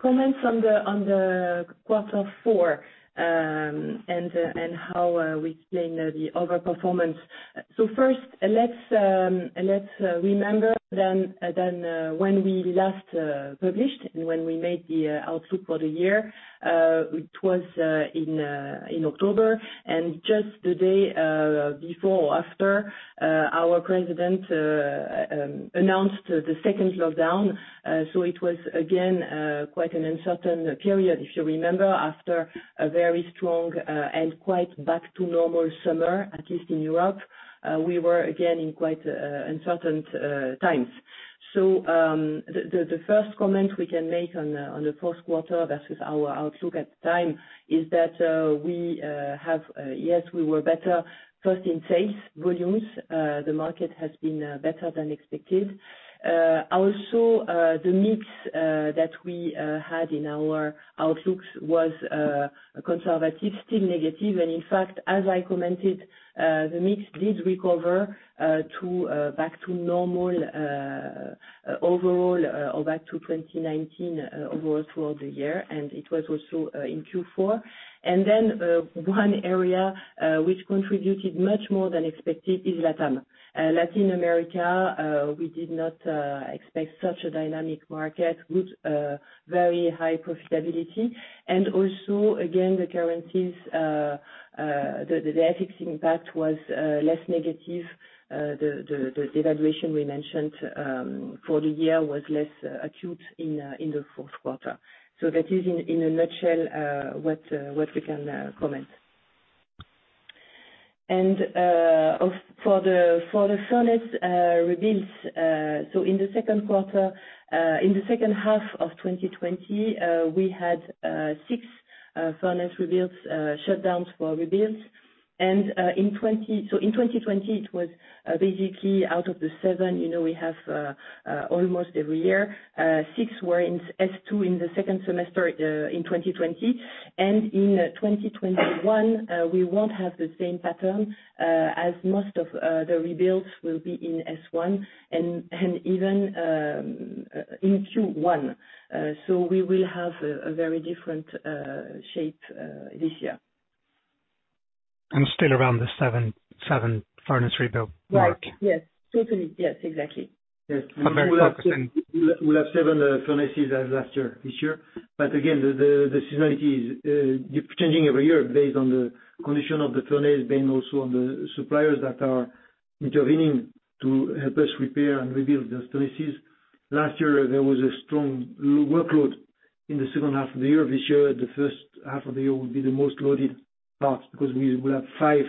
Comments on the quarter four, and how we explain the overperformance. First, let's remember then when we last published and when we made the outlook for the year, it was in October. Just the day before or after, our president announced the second lockdown. It was again, quite an uncertain period, if you remember, after a very strong and quite back to normal summer, at least in Europe. We were again in quite uncertain times. The first comment we can make on the first quarter versus our outlook at the time is that yes, we were better first in sales volumes. The market has been better than expected. The mix that we had in our outlooks was conservative, still negative, and in fact, as I commented, the mix did recover back to normal overall, or back to 2019 overall throughout the year, and it was also in Q4. One area which contributed much more than expected is LATAM. Latin America, we did not expect such a dynamic market with very high profitability. Again, the currencies, the FX impact was less negative. The devaluation we mentioned for the year was less acute in the fourth quarter. That is in a nutshell what we can comment. For the furnace rebuilds. In the second half of 2020, we had six furnace rebuilds, shutdowns for rebuilds. In 2020, it was basically out of the seven we have almost every year, six were in S2 in the second semester in 2020. In 2021, we won't have the same pattern, as most of the rebuilds will be in S1 and even in Q1. We will have a very different shape this year. Still around the seven furnace rebuild mark. Right. Yes. Certainly, yes, exactly. Yes. I'm very focused. We'll have seven furnaces as last year, this year. Again, the seasonality is changing every year based on the condition of the furnace, based also on the suppliers that are intervening to help us repair and rebuild those furnaces. Last year, there was a strong workload in the second half of the year. This year, the first half of the year will be the most loaded part because we will have five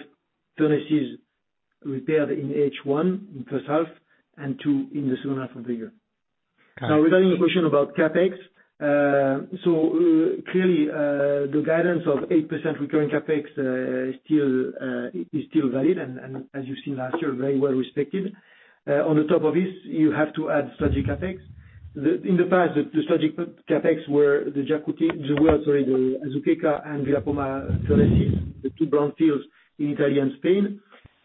furnaces repaired in H1, in the first half, and two in the second half of the year. Got it. Regarding the question about CapEx. Clearly, the guidance of 8% recurring CapEx is still valid, and as you've seen last year, very well respected. On top of this, you have to add strategic CapEx. In the past, the strategic CapEx were the Azuqueca and Villa Poma furnaces, the two brownfields in Italy and Spain.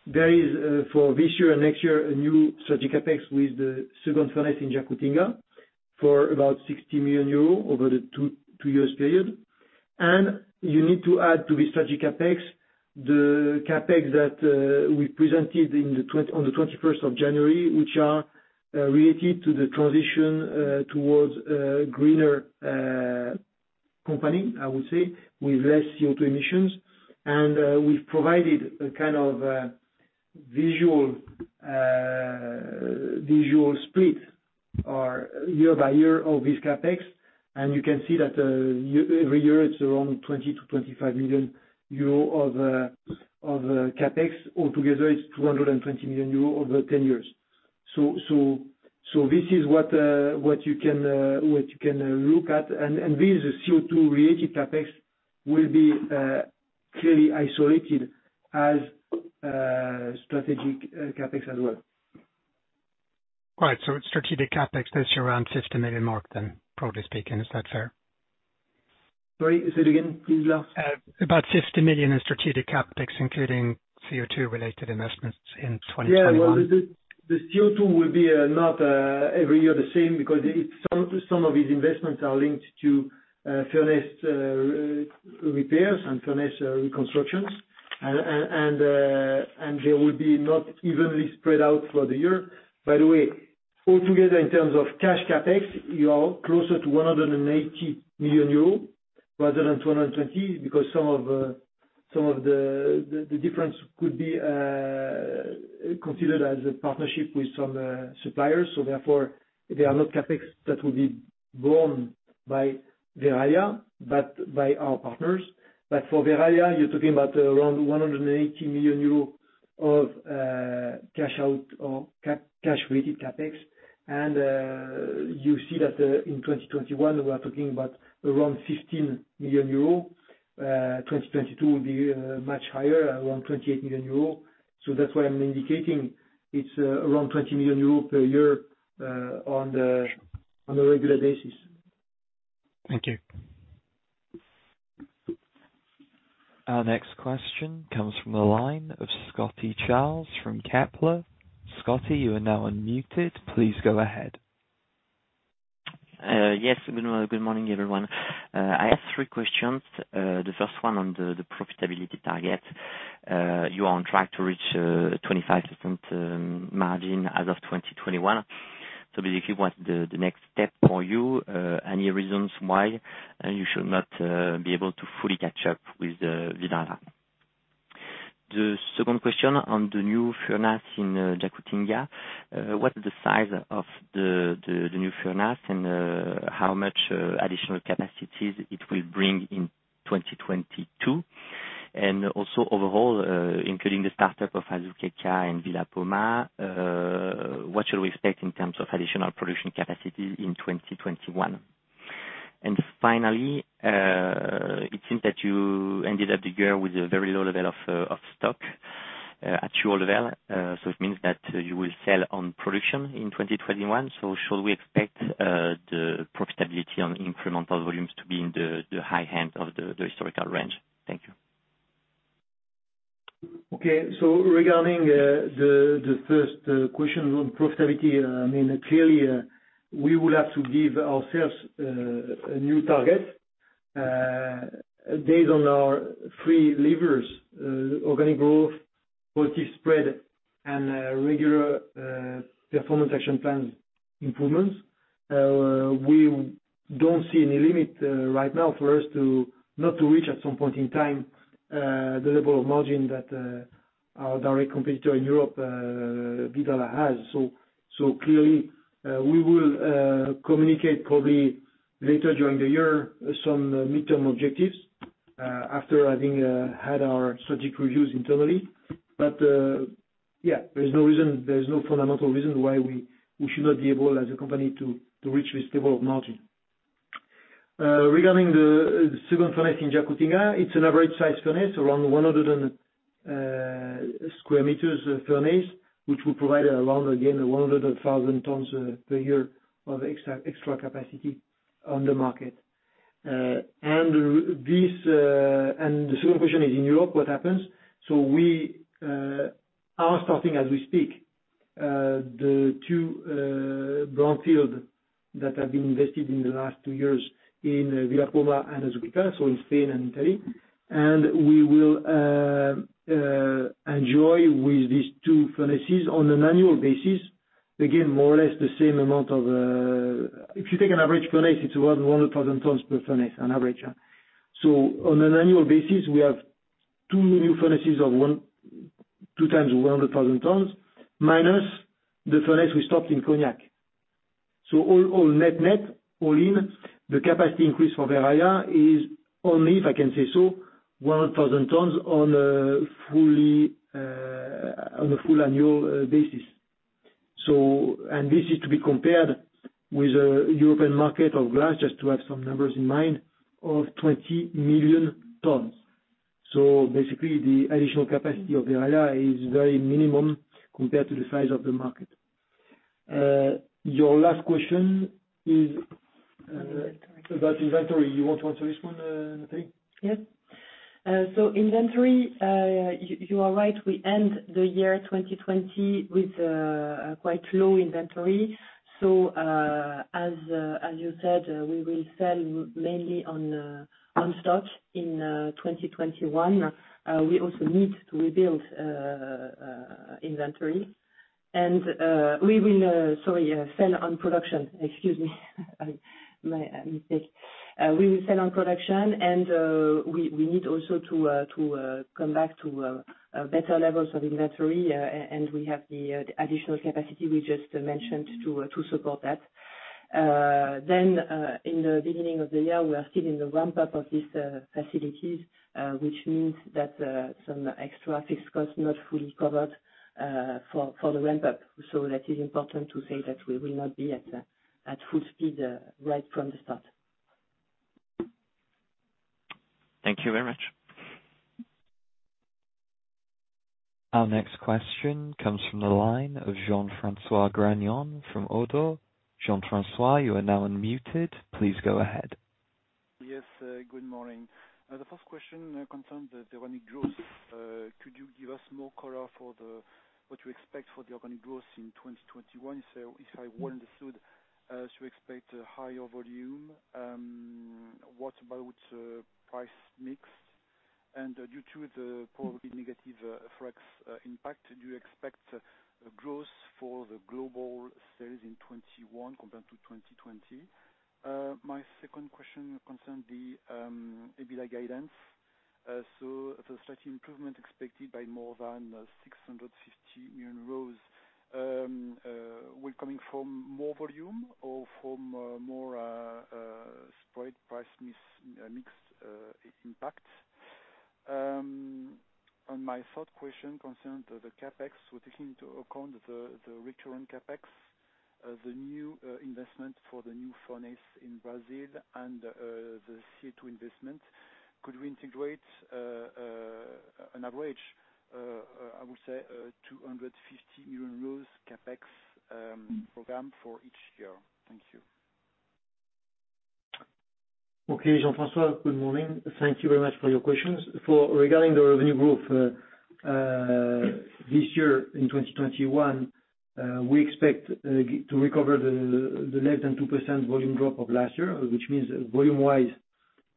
There is, for this year and next year, a new strategic CapEx with the second furnace in Jacutinga for about 60 million euros over the two years period. You need to add to the strategic CapEx, the CapEx that we presented on the 21st of January, which are related to the transition towards a greener company, I would say, with less CO2 emissions. We've provided a kind of visual split or year by year of this CapEx, and you can see that every year it's around 20 million-25 million euro of CapEx. Altogether, it's 220 million euro over 10 years. This is what you can look at, and this CO2 related CapEx will be clearly isolated as strategic CapEx as well. All right. Strategic CapEx, that's around 50 million mark then, broadly speaking. Is that fair? Sorry, say it again, please, Laurent. About 50 million in strategic CapEx, including CO2 related investments in 2021. Yeah. Well, the CO2 will be not every year the same, because some of these investments are linked to furnace repairs and furnace reconstructions. They will be not evenly spread out for the year. By the way, altogether, in terms of cash CapEx, you are closer to 180 million euros rather than 220 million, because some of the difference could be considered as a partnership with some suppliers, therefore, they are not CapEx that will be borne by Verallia, but by our partners. For Verallia, you're talking about around 180 million euro of cash out or cash-related CapEx. You see that in 2021, we're talking about around 15 million euros. 2022 will be much higher, around 28 million euros. That's why I'm indicating it's around 20 million euros per year on a regular basis. Thank you. Our next question comes from the line of Scotti, Charles from Kepler. Scotti, you are now unmuted. Please go ahead. Yes. Good morning, everyone. I have three questions. The first one on the profitability target. You are on track to reach a 25% margin as of 2021. Basically, what's the next step for you? Any reasons why you should not be able to fully catch up with the Vidrala? The second question on the new furnace in Jacutinga. What is the size of the new furnace and how much additional capacities it will bring in 2022? Also overall, including the startup of Azuqueca and Villa Poma, what should we expect in terms of additional production capacity in 2021? Finally, it seems that you ended up the year with a very low level of stock at your level. It means that you will sell on production in 2021. Should we expect the profitability on incremental volumes to be in the high end of the historical range? Thank you. Okay. Regarding the first question on profitability, clearly, we will have to give ourselves a new target based on our three levers, organic growth, positive spread, and regular performance action plans improvements. We don't see any limit right now for us not to reach at some point in time, the level of margin that our direct competitor in Europe, Vidrala, has. Clearly, we will communicate probably later during the year, some midterm objectives, after having had our strategic reviews internally. Yeah, there's no fundamental reason why we should not be able as a company to reach this level of margin. Regarding the second furnace in Jacutinga, it's an average size furnace, around 100 sq m furnace, which will provide around, again, 100,000 tonnes per year of extra capacity on the market. The second question is in Europe, what happens? We are starting as we speak, the two brownfield that have been invested in the last two years in Villa Poma and Azuqueca, so in Spain and Italy. We will enjoy with these two furnaces on an annual basis, again, more or less the same amount of If you take an average furnace, it's around 100,000 tonnes per furnace on average. On an annual basis, we have two new furnaces of two times 100,000 tonnes, minus the furnace we stopped in Cognac. All net-net, all-in, the capacity increase for Verallia is only, if I can say so, 100,000 tonnes on a full annual basis. This is to be compared with a European market of glass, just to have some numbers in mind, of 20 million tonnes. Basically the additional capacity of Verallia is very minimum compared to the size of the market. Your last question is about inventory. You want to answer this one, Nathalie? Yes. Inventory, you are right, we end the year 2020 with quite low inventory. As you said, we will sell mainly on stock in 2021. We also need to rebuild inventory. Sorry, sell on production, excuse me. My mistake. We will sell on production and we need also to come back to better levels of inventory, and we have the additional capacity we just mentioned to support that. In the beginning of the year, we are still in the ramp-up of these facilities, which means that some extra fixed costs not fully covered for the ramp-up. That is important to say that we will not be at full speed right from the start. Thank you very much. Our next question comes from the line of Jean-François Granjon from ODDO. Jean-François, you are now unmuted. Please go ahead. Yes, good morning. The first question concerns the organic growth. Could you give us more color for what you expect for the organic growth in 2021? If I well understood, as you expect a higher volume, what about price mix? Due to the probably negative forex impact, do you expect growth for the global sales in 2021 compared to 2020? My second question concerns the EBITDA guidance. The slight improvement expected by more than 650 million, will coming from more volume or from a more spread price mix impact? My third question concerns the CapEx. Taking into account the return on CapEx, the new investment for the new furnace in Brazil and the CO2 investment, could we integrate an average, I would say, 250 million euros CapEx program for each year? Thank you. Okay, Jean-François, good morning. Thank you very much for your questions. Regarding the revenue growth, this year in 2021, we expect to recover the less than 2% volume drop of last year, which means volume-wise,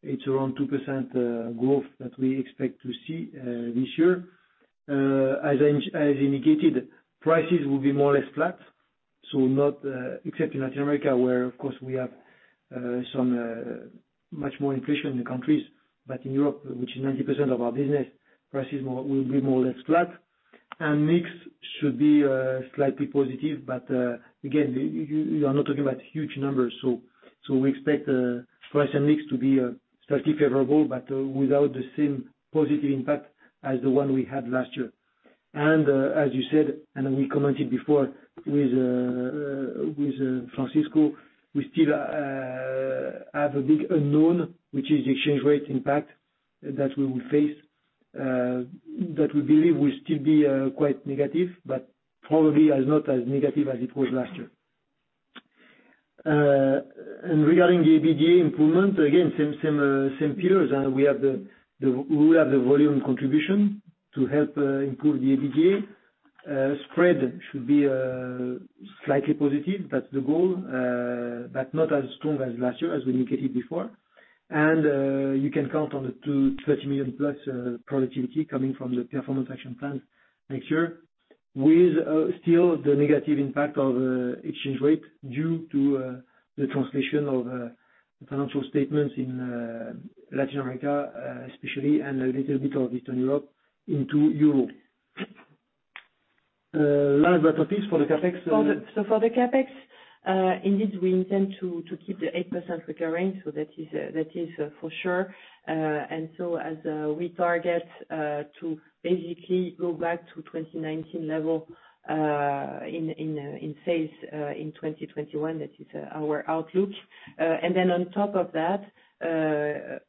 it's around 2% growth that we expect to see this year. As indicated, prices will be more or less flat, except in Latin America, where, of course, we have much more inflation in the countries. In Europe, which is 90% of our business, prices will be more or less flat, and mix should be slightly positive. Again, you are not talking about huge numbers. We expect price and mix to be slightly favorable, but without the same positive impact as the one we had last year. As you said, and we commented before with Francisco, we still have a big unknown, which is the exchange rate impact that we will face, that we believe will still be quite negative, but probably not as negative as it was last year. Regarding the EBITDA improvement, again, same pillars. We will have the volume contribution to help improve the EBITDA. Spread should be slightly positive. That's the goal, but not as strong as last year, as we indicated before. You can count on the [30+ million] productivity coming from the performance action plan next year with still the negative impact of exchange rate due to the translation of financial statements in Latin America especially, and a little bit of Eastern Europe into euro. Nathalie, do you want to speak for the CapEx? For the CapEx, indeed, we intend to keep the 8% recurring. As we target to basically go back to 2019 level in sales in 2021, that is our outlook. On top of that,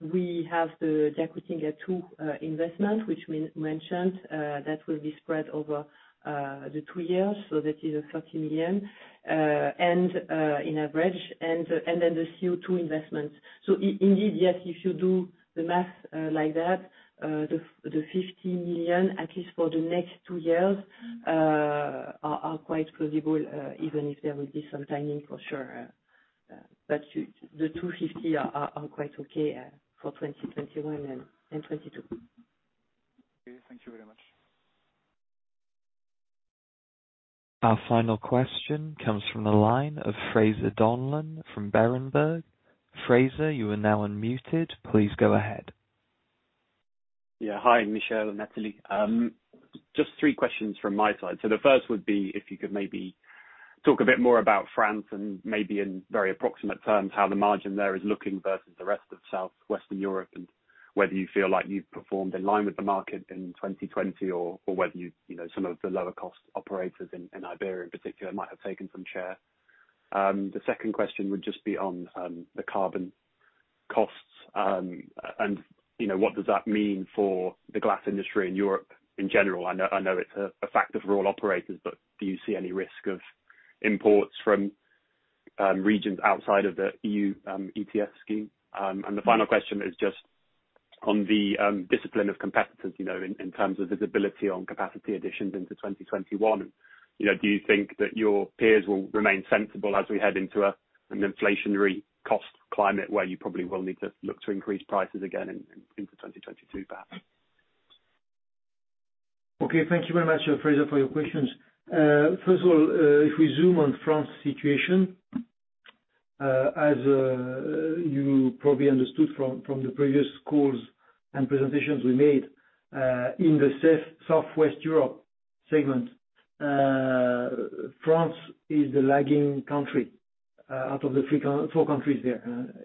we have the Jacutinga II investment, which we mentioned, that will be spread over the two years, so that is a 30 million in average, and then the CO2 investment. Indeed, yes, if you do the math like that, the 50 million, at least for the next two years, are quite plausible, even if there will be some timing for sure. The 250 million are quite okay for 2021 and 2022. Okay. Thank you very much. Our final question comes from the line of Fraser Donlon from Berenberg. Fraser, you are now unmuted. Please go ahead. Yeah. Hi, Michel and Nathalie. Just three questions from my side. The first would be if you could maybe talk a bit more about France and maybe in very approximate terms, how the margin there is looking versus the rest of Southwestern Europe and whether you feel like you've performed in line with the market in 2020 or whether some of the lower cost operators in Iberia in particular might have taken some share. The second question would just be on the carbon costs, and what does that mean for the glass industry in Europe in general? I know it's a factor for all operators, but do you see any risk of imports from regions outside of the EU ETS scheme? The final question is just on the discipline of competitors, in terms of visibility on capacity additions into 2021. Do you think that your peers will remain sensible as we head into an inflationary cost climate where you probably will need to look to increase prices again into 2022, perhaps? Okay. Thank you very much, Fraser, for your questions. First of all, if we zoom on France situation, as you probably understood from the previous calls and presentations we made, in the Southwest Europe segment. France is the lagging country out of the four countries there.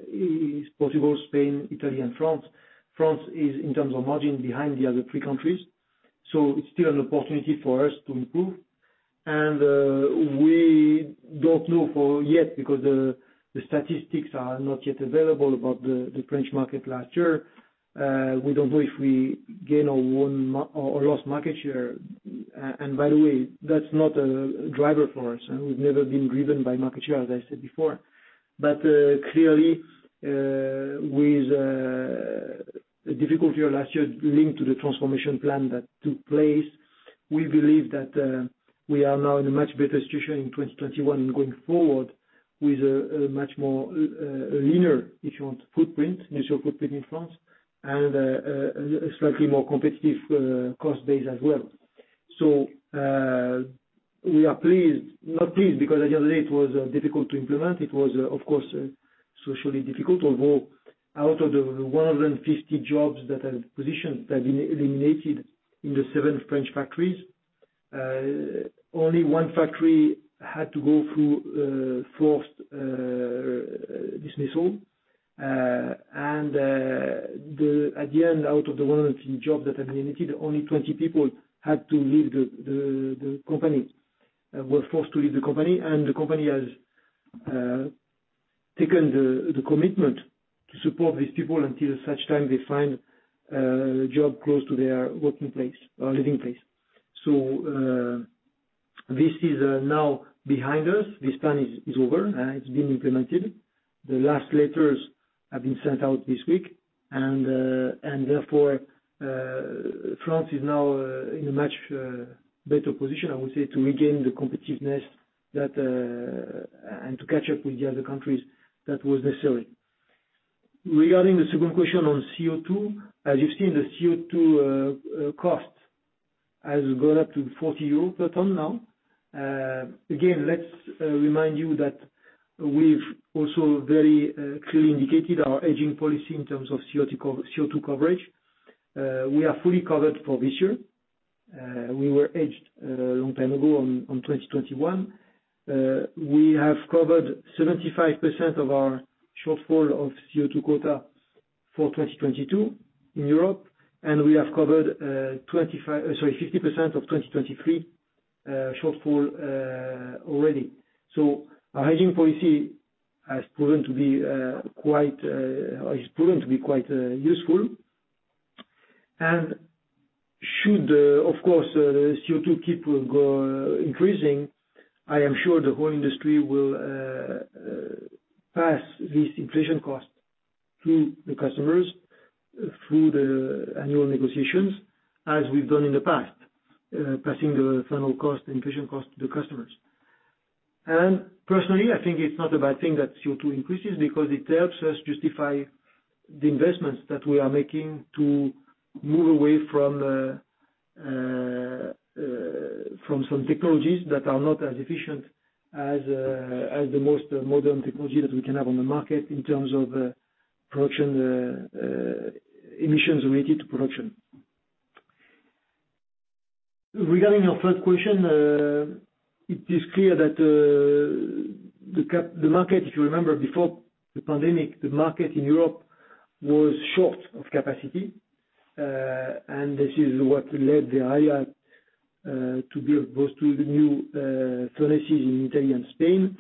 It is possible Spain, Italy, and France. France is, in terms of margin, behind the other three countries. It's still an opportunity for us to improve. We don't know for yet because the statistics are not yet available about the French market last year. We don't know if we gain or lost market share. By the way, that's not a driver for us. We've never been driven by market share, as I said before. Clearly, with the difficulty of last year linked to the transformation plan that took place, we believe that we are now in a much better situation in 2021 going forward, with a much more leaner, if you want, footprint, initial footprint in France, and a slightly more competitive cost base as well. We are pleased. Not pleased, because at the end of the day, it was difficult to implement. It was, of course, socially difficult. Although, out of the 150 jobs that had positions that have been eliminated in the seven French factories, only one factory had to go through forced dismissal. At the end, out of the 150 jobs that have been eliminated, only 20 people had to leave the company, were forced to leave the company. The company has taken the commitment to support these people until such time they find a job close to their working place or living place. This is now behind us. This plan is over. It's been implemented. The last letters have been sent out this week. Therefore, France is now in a much better position, I would say, to regain the competitiveness and to catch up with the other countries that was necessary. Regarding the second question on CO2, as you've seen, the CO2 costs has gone up to EUR 40 per tonne now. Let's remind you that we've also very clearly indicated our hedging policy in terms of CO2 coverage. We are fully covered for this year. We were hedged a long time ago on 2021. We have covered 75% of our shortfall of CO2 quota for 2022 in Europe, and we have covered 50% of 2023 shortfall already. So our hedging policy has proven to be quite useful. Should, of course, CO2 keep on increasing, I am sure the whole industry will pass this inflation cost to the customers through the annual negotiations, as we've done in the past, passing the final cost, inflation cost to the customers. Personally, I think it's not a bad thing that CO2 increases because it helps us justify the investments that we are making to move away from some technologies that are not as efficient as the most modern technology that we can have on the market in terms of emissions related to production. Regarding your third question, it is clear that the market, if you remember before the pandemic, the market in Europe was short of capacity. This is what led Verallia to build both two of the new furnaces in Italy and Spain.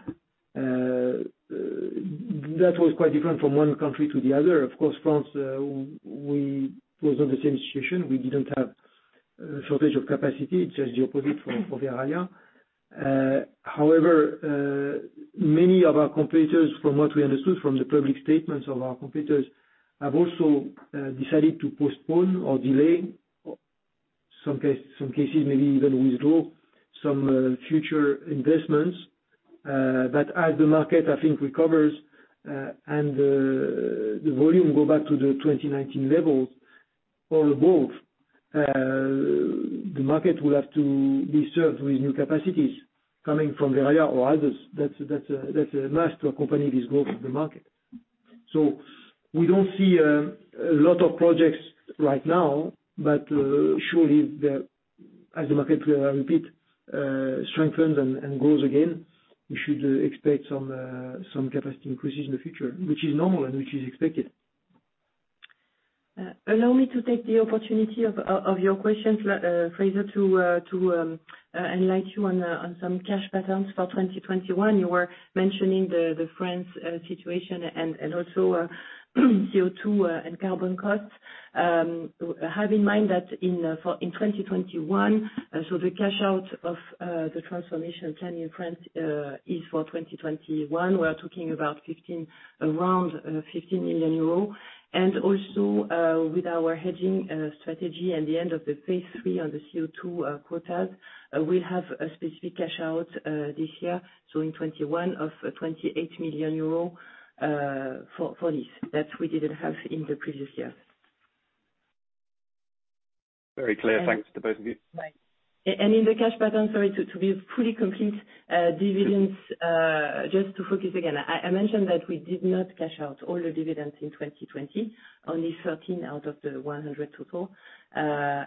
That was quite different from one country to the other. France, we was not the same situation. We didn't have a shortage of capacity, just the opposite for Verallia. Many of our competitors, from what we understood from the public statements of our competitors, have also decided to postpone or delay. Some cases maybe even withdraw some future investments. As the market, I think, recovers, and the volume go back to the 2019 levels or above, the market will have to be served with new capacities coming from Verallia or others. That's a must to accompany this growth of the market. We don't see a lot of projects right now, but surely as the market, I repeat, strengthens and grows again, we should expect some capacity increases in the future, which is normal and which is expected. Allow me to take the opportunity of your questions, Fraser, to enlighten you on some cash patterns for 2021. You were mentioning the France situation and also CO2 and carbon costs. Have in mind that in 2021, the cash out of the transformation plan in France is for 2021. We are talking about around 50 million euro. With our hedging strategy and the end of the phase III on the CO2 quotas, we'll have a specific cash out this year, in 2021, of 28 million euro for this that we didn't have in the previous years. Very clear. Thanks to both of you. Right. In the cash pattern, sorry, to be fully complete, dividends, just to focus again, I mentioned that we did not cash out all the dividends in 2020, only 13 million out of the 100 total. Now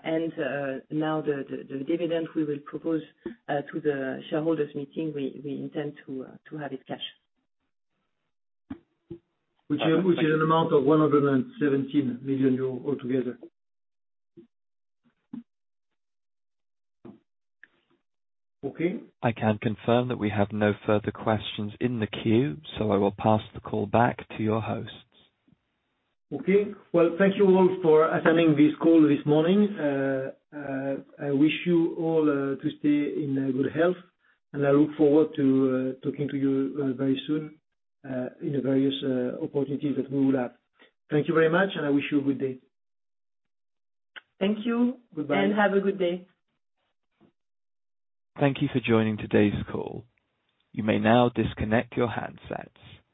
the dividend we will propose to the shareholders meeting, we intend to have it cashed. Which is an amount of 117 million euros altogether. Okay. I can confirm that we have no further questions in the queue, so I will pass the call back to your hosts. Okay. Well, thank you all for attending this call this morning. I wish you all to stay in good health, and I look forward to talking to you very soon in the various opportunities that we will have. Thank you very much, and I wish you a good day. Thank you. Goodbye. Have a good day. Thank you for joining today's call. You may now disconnect your handsets.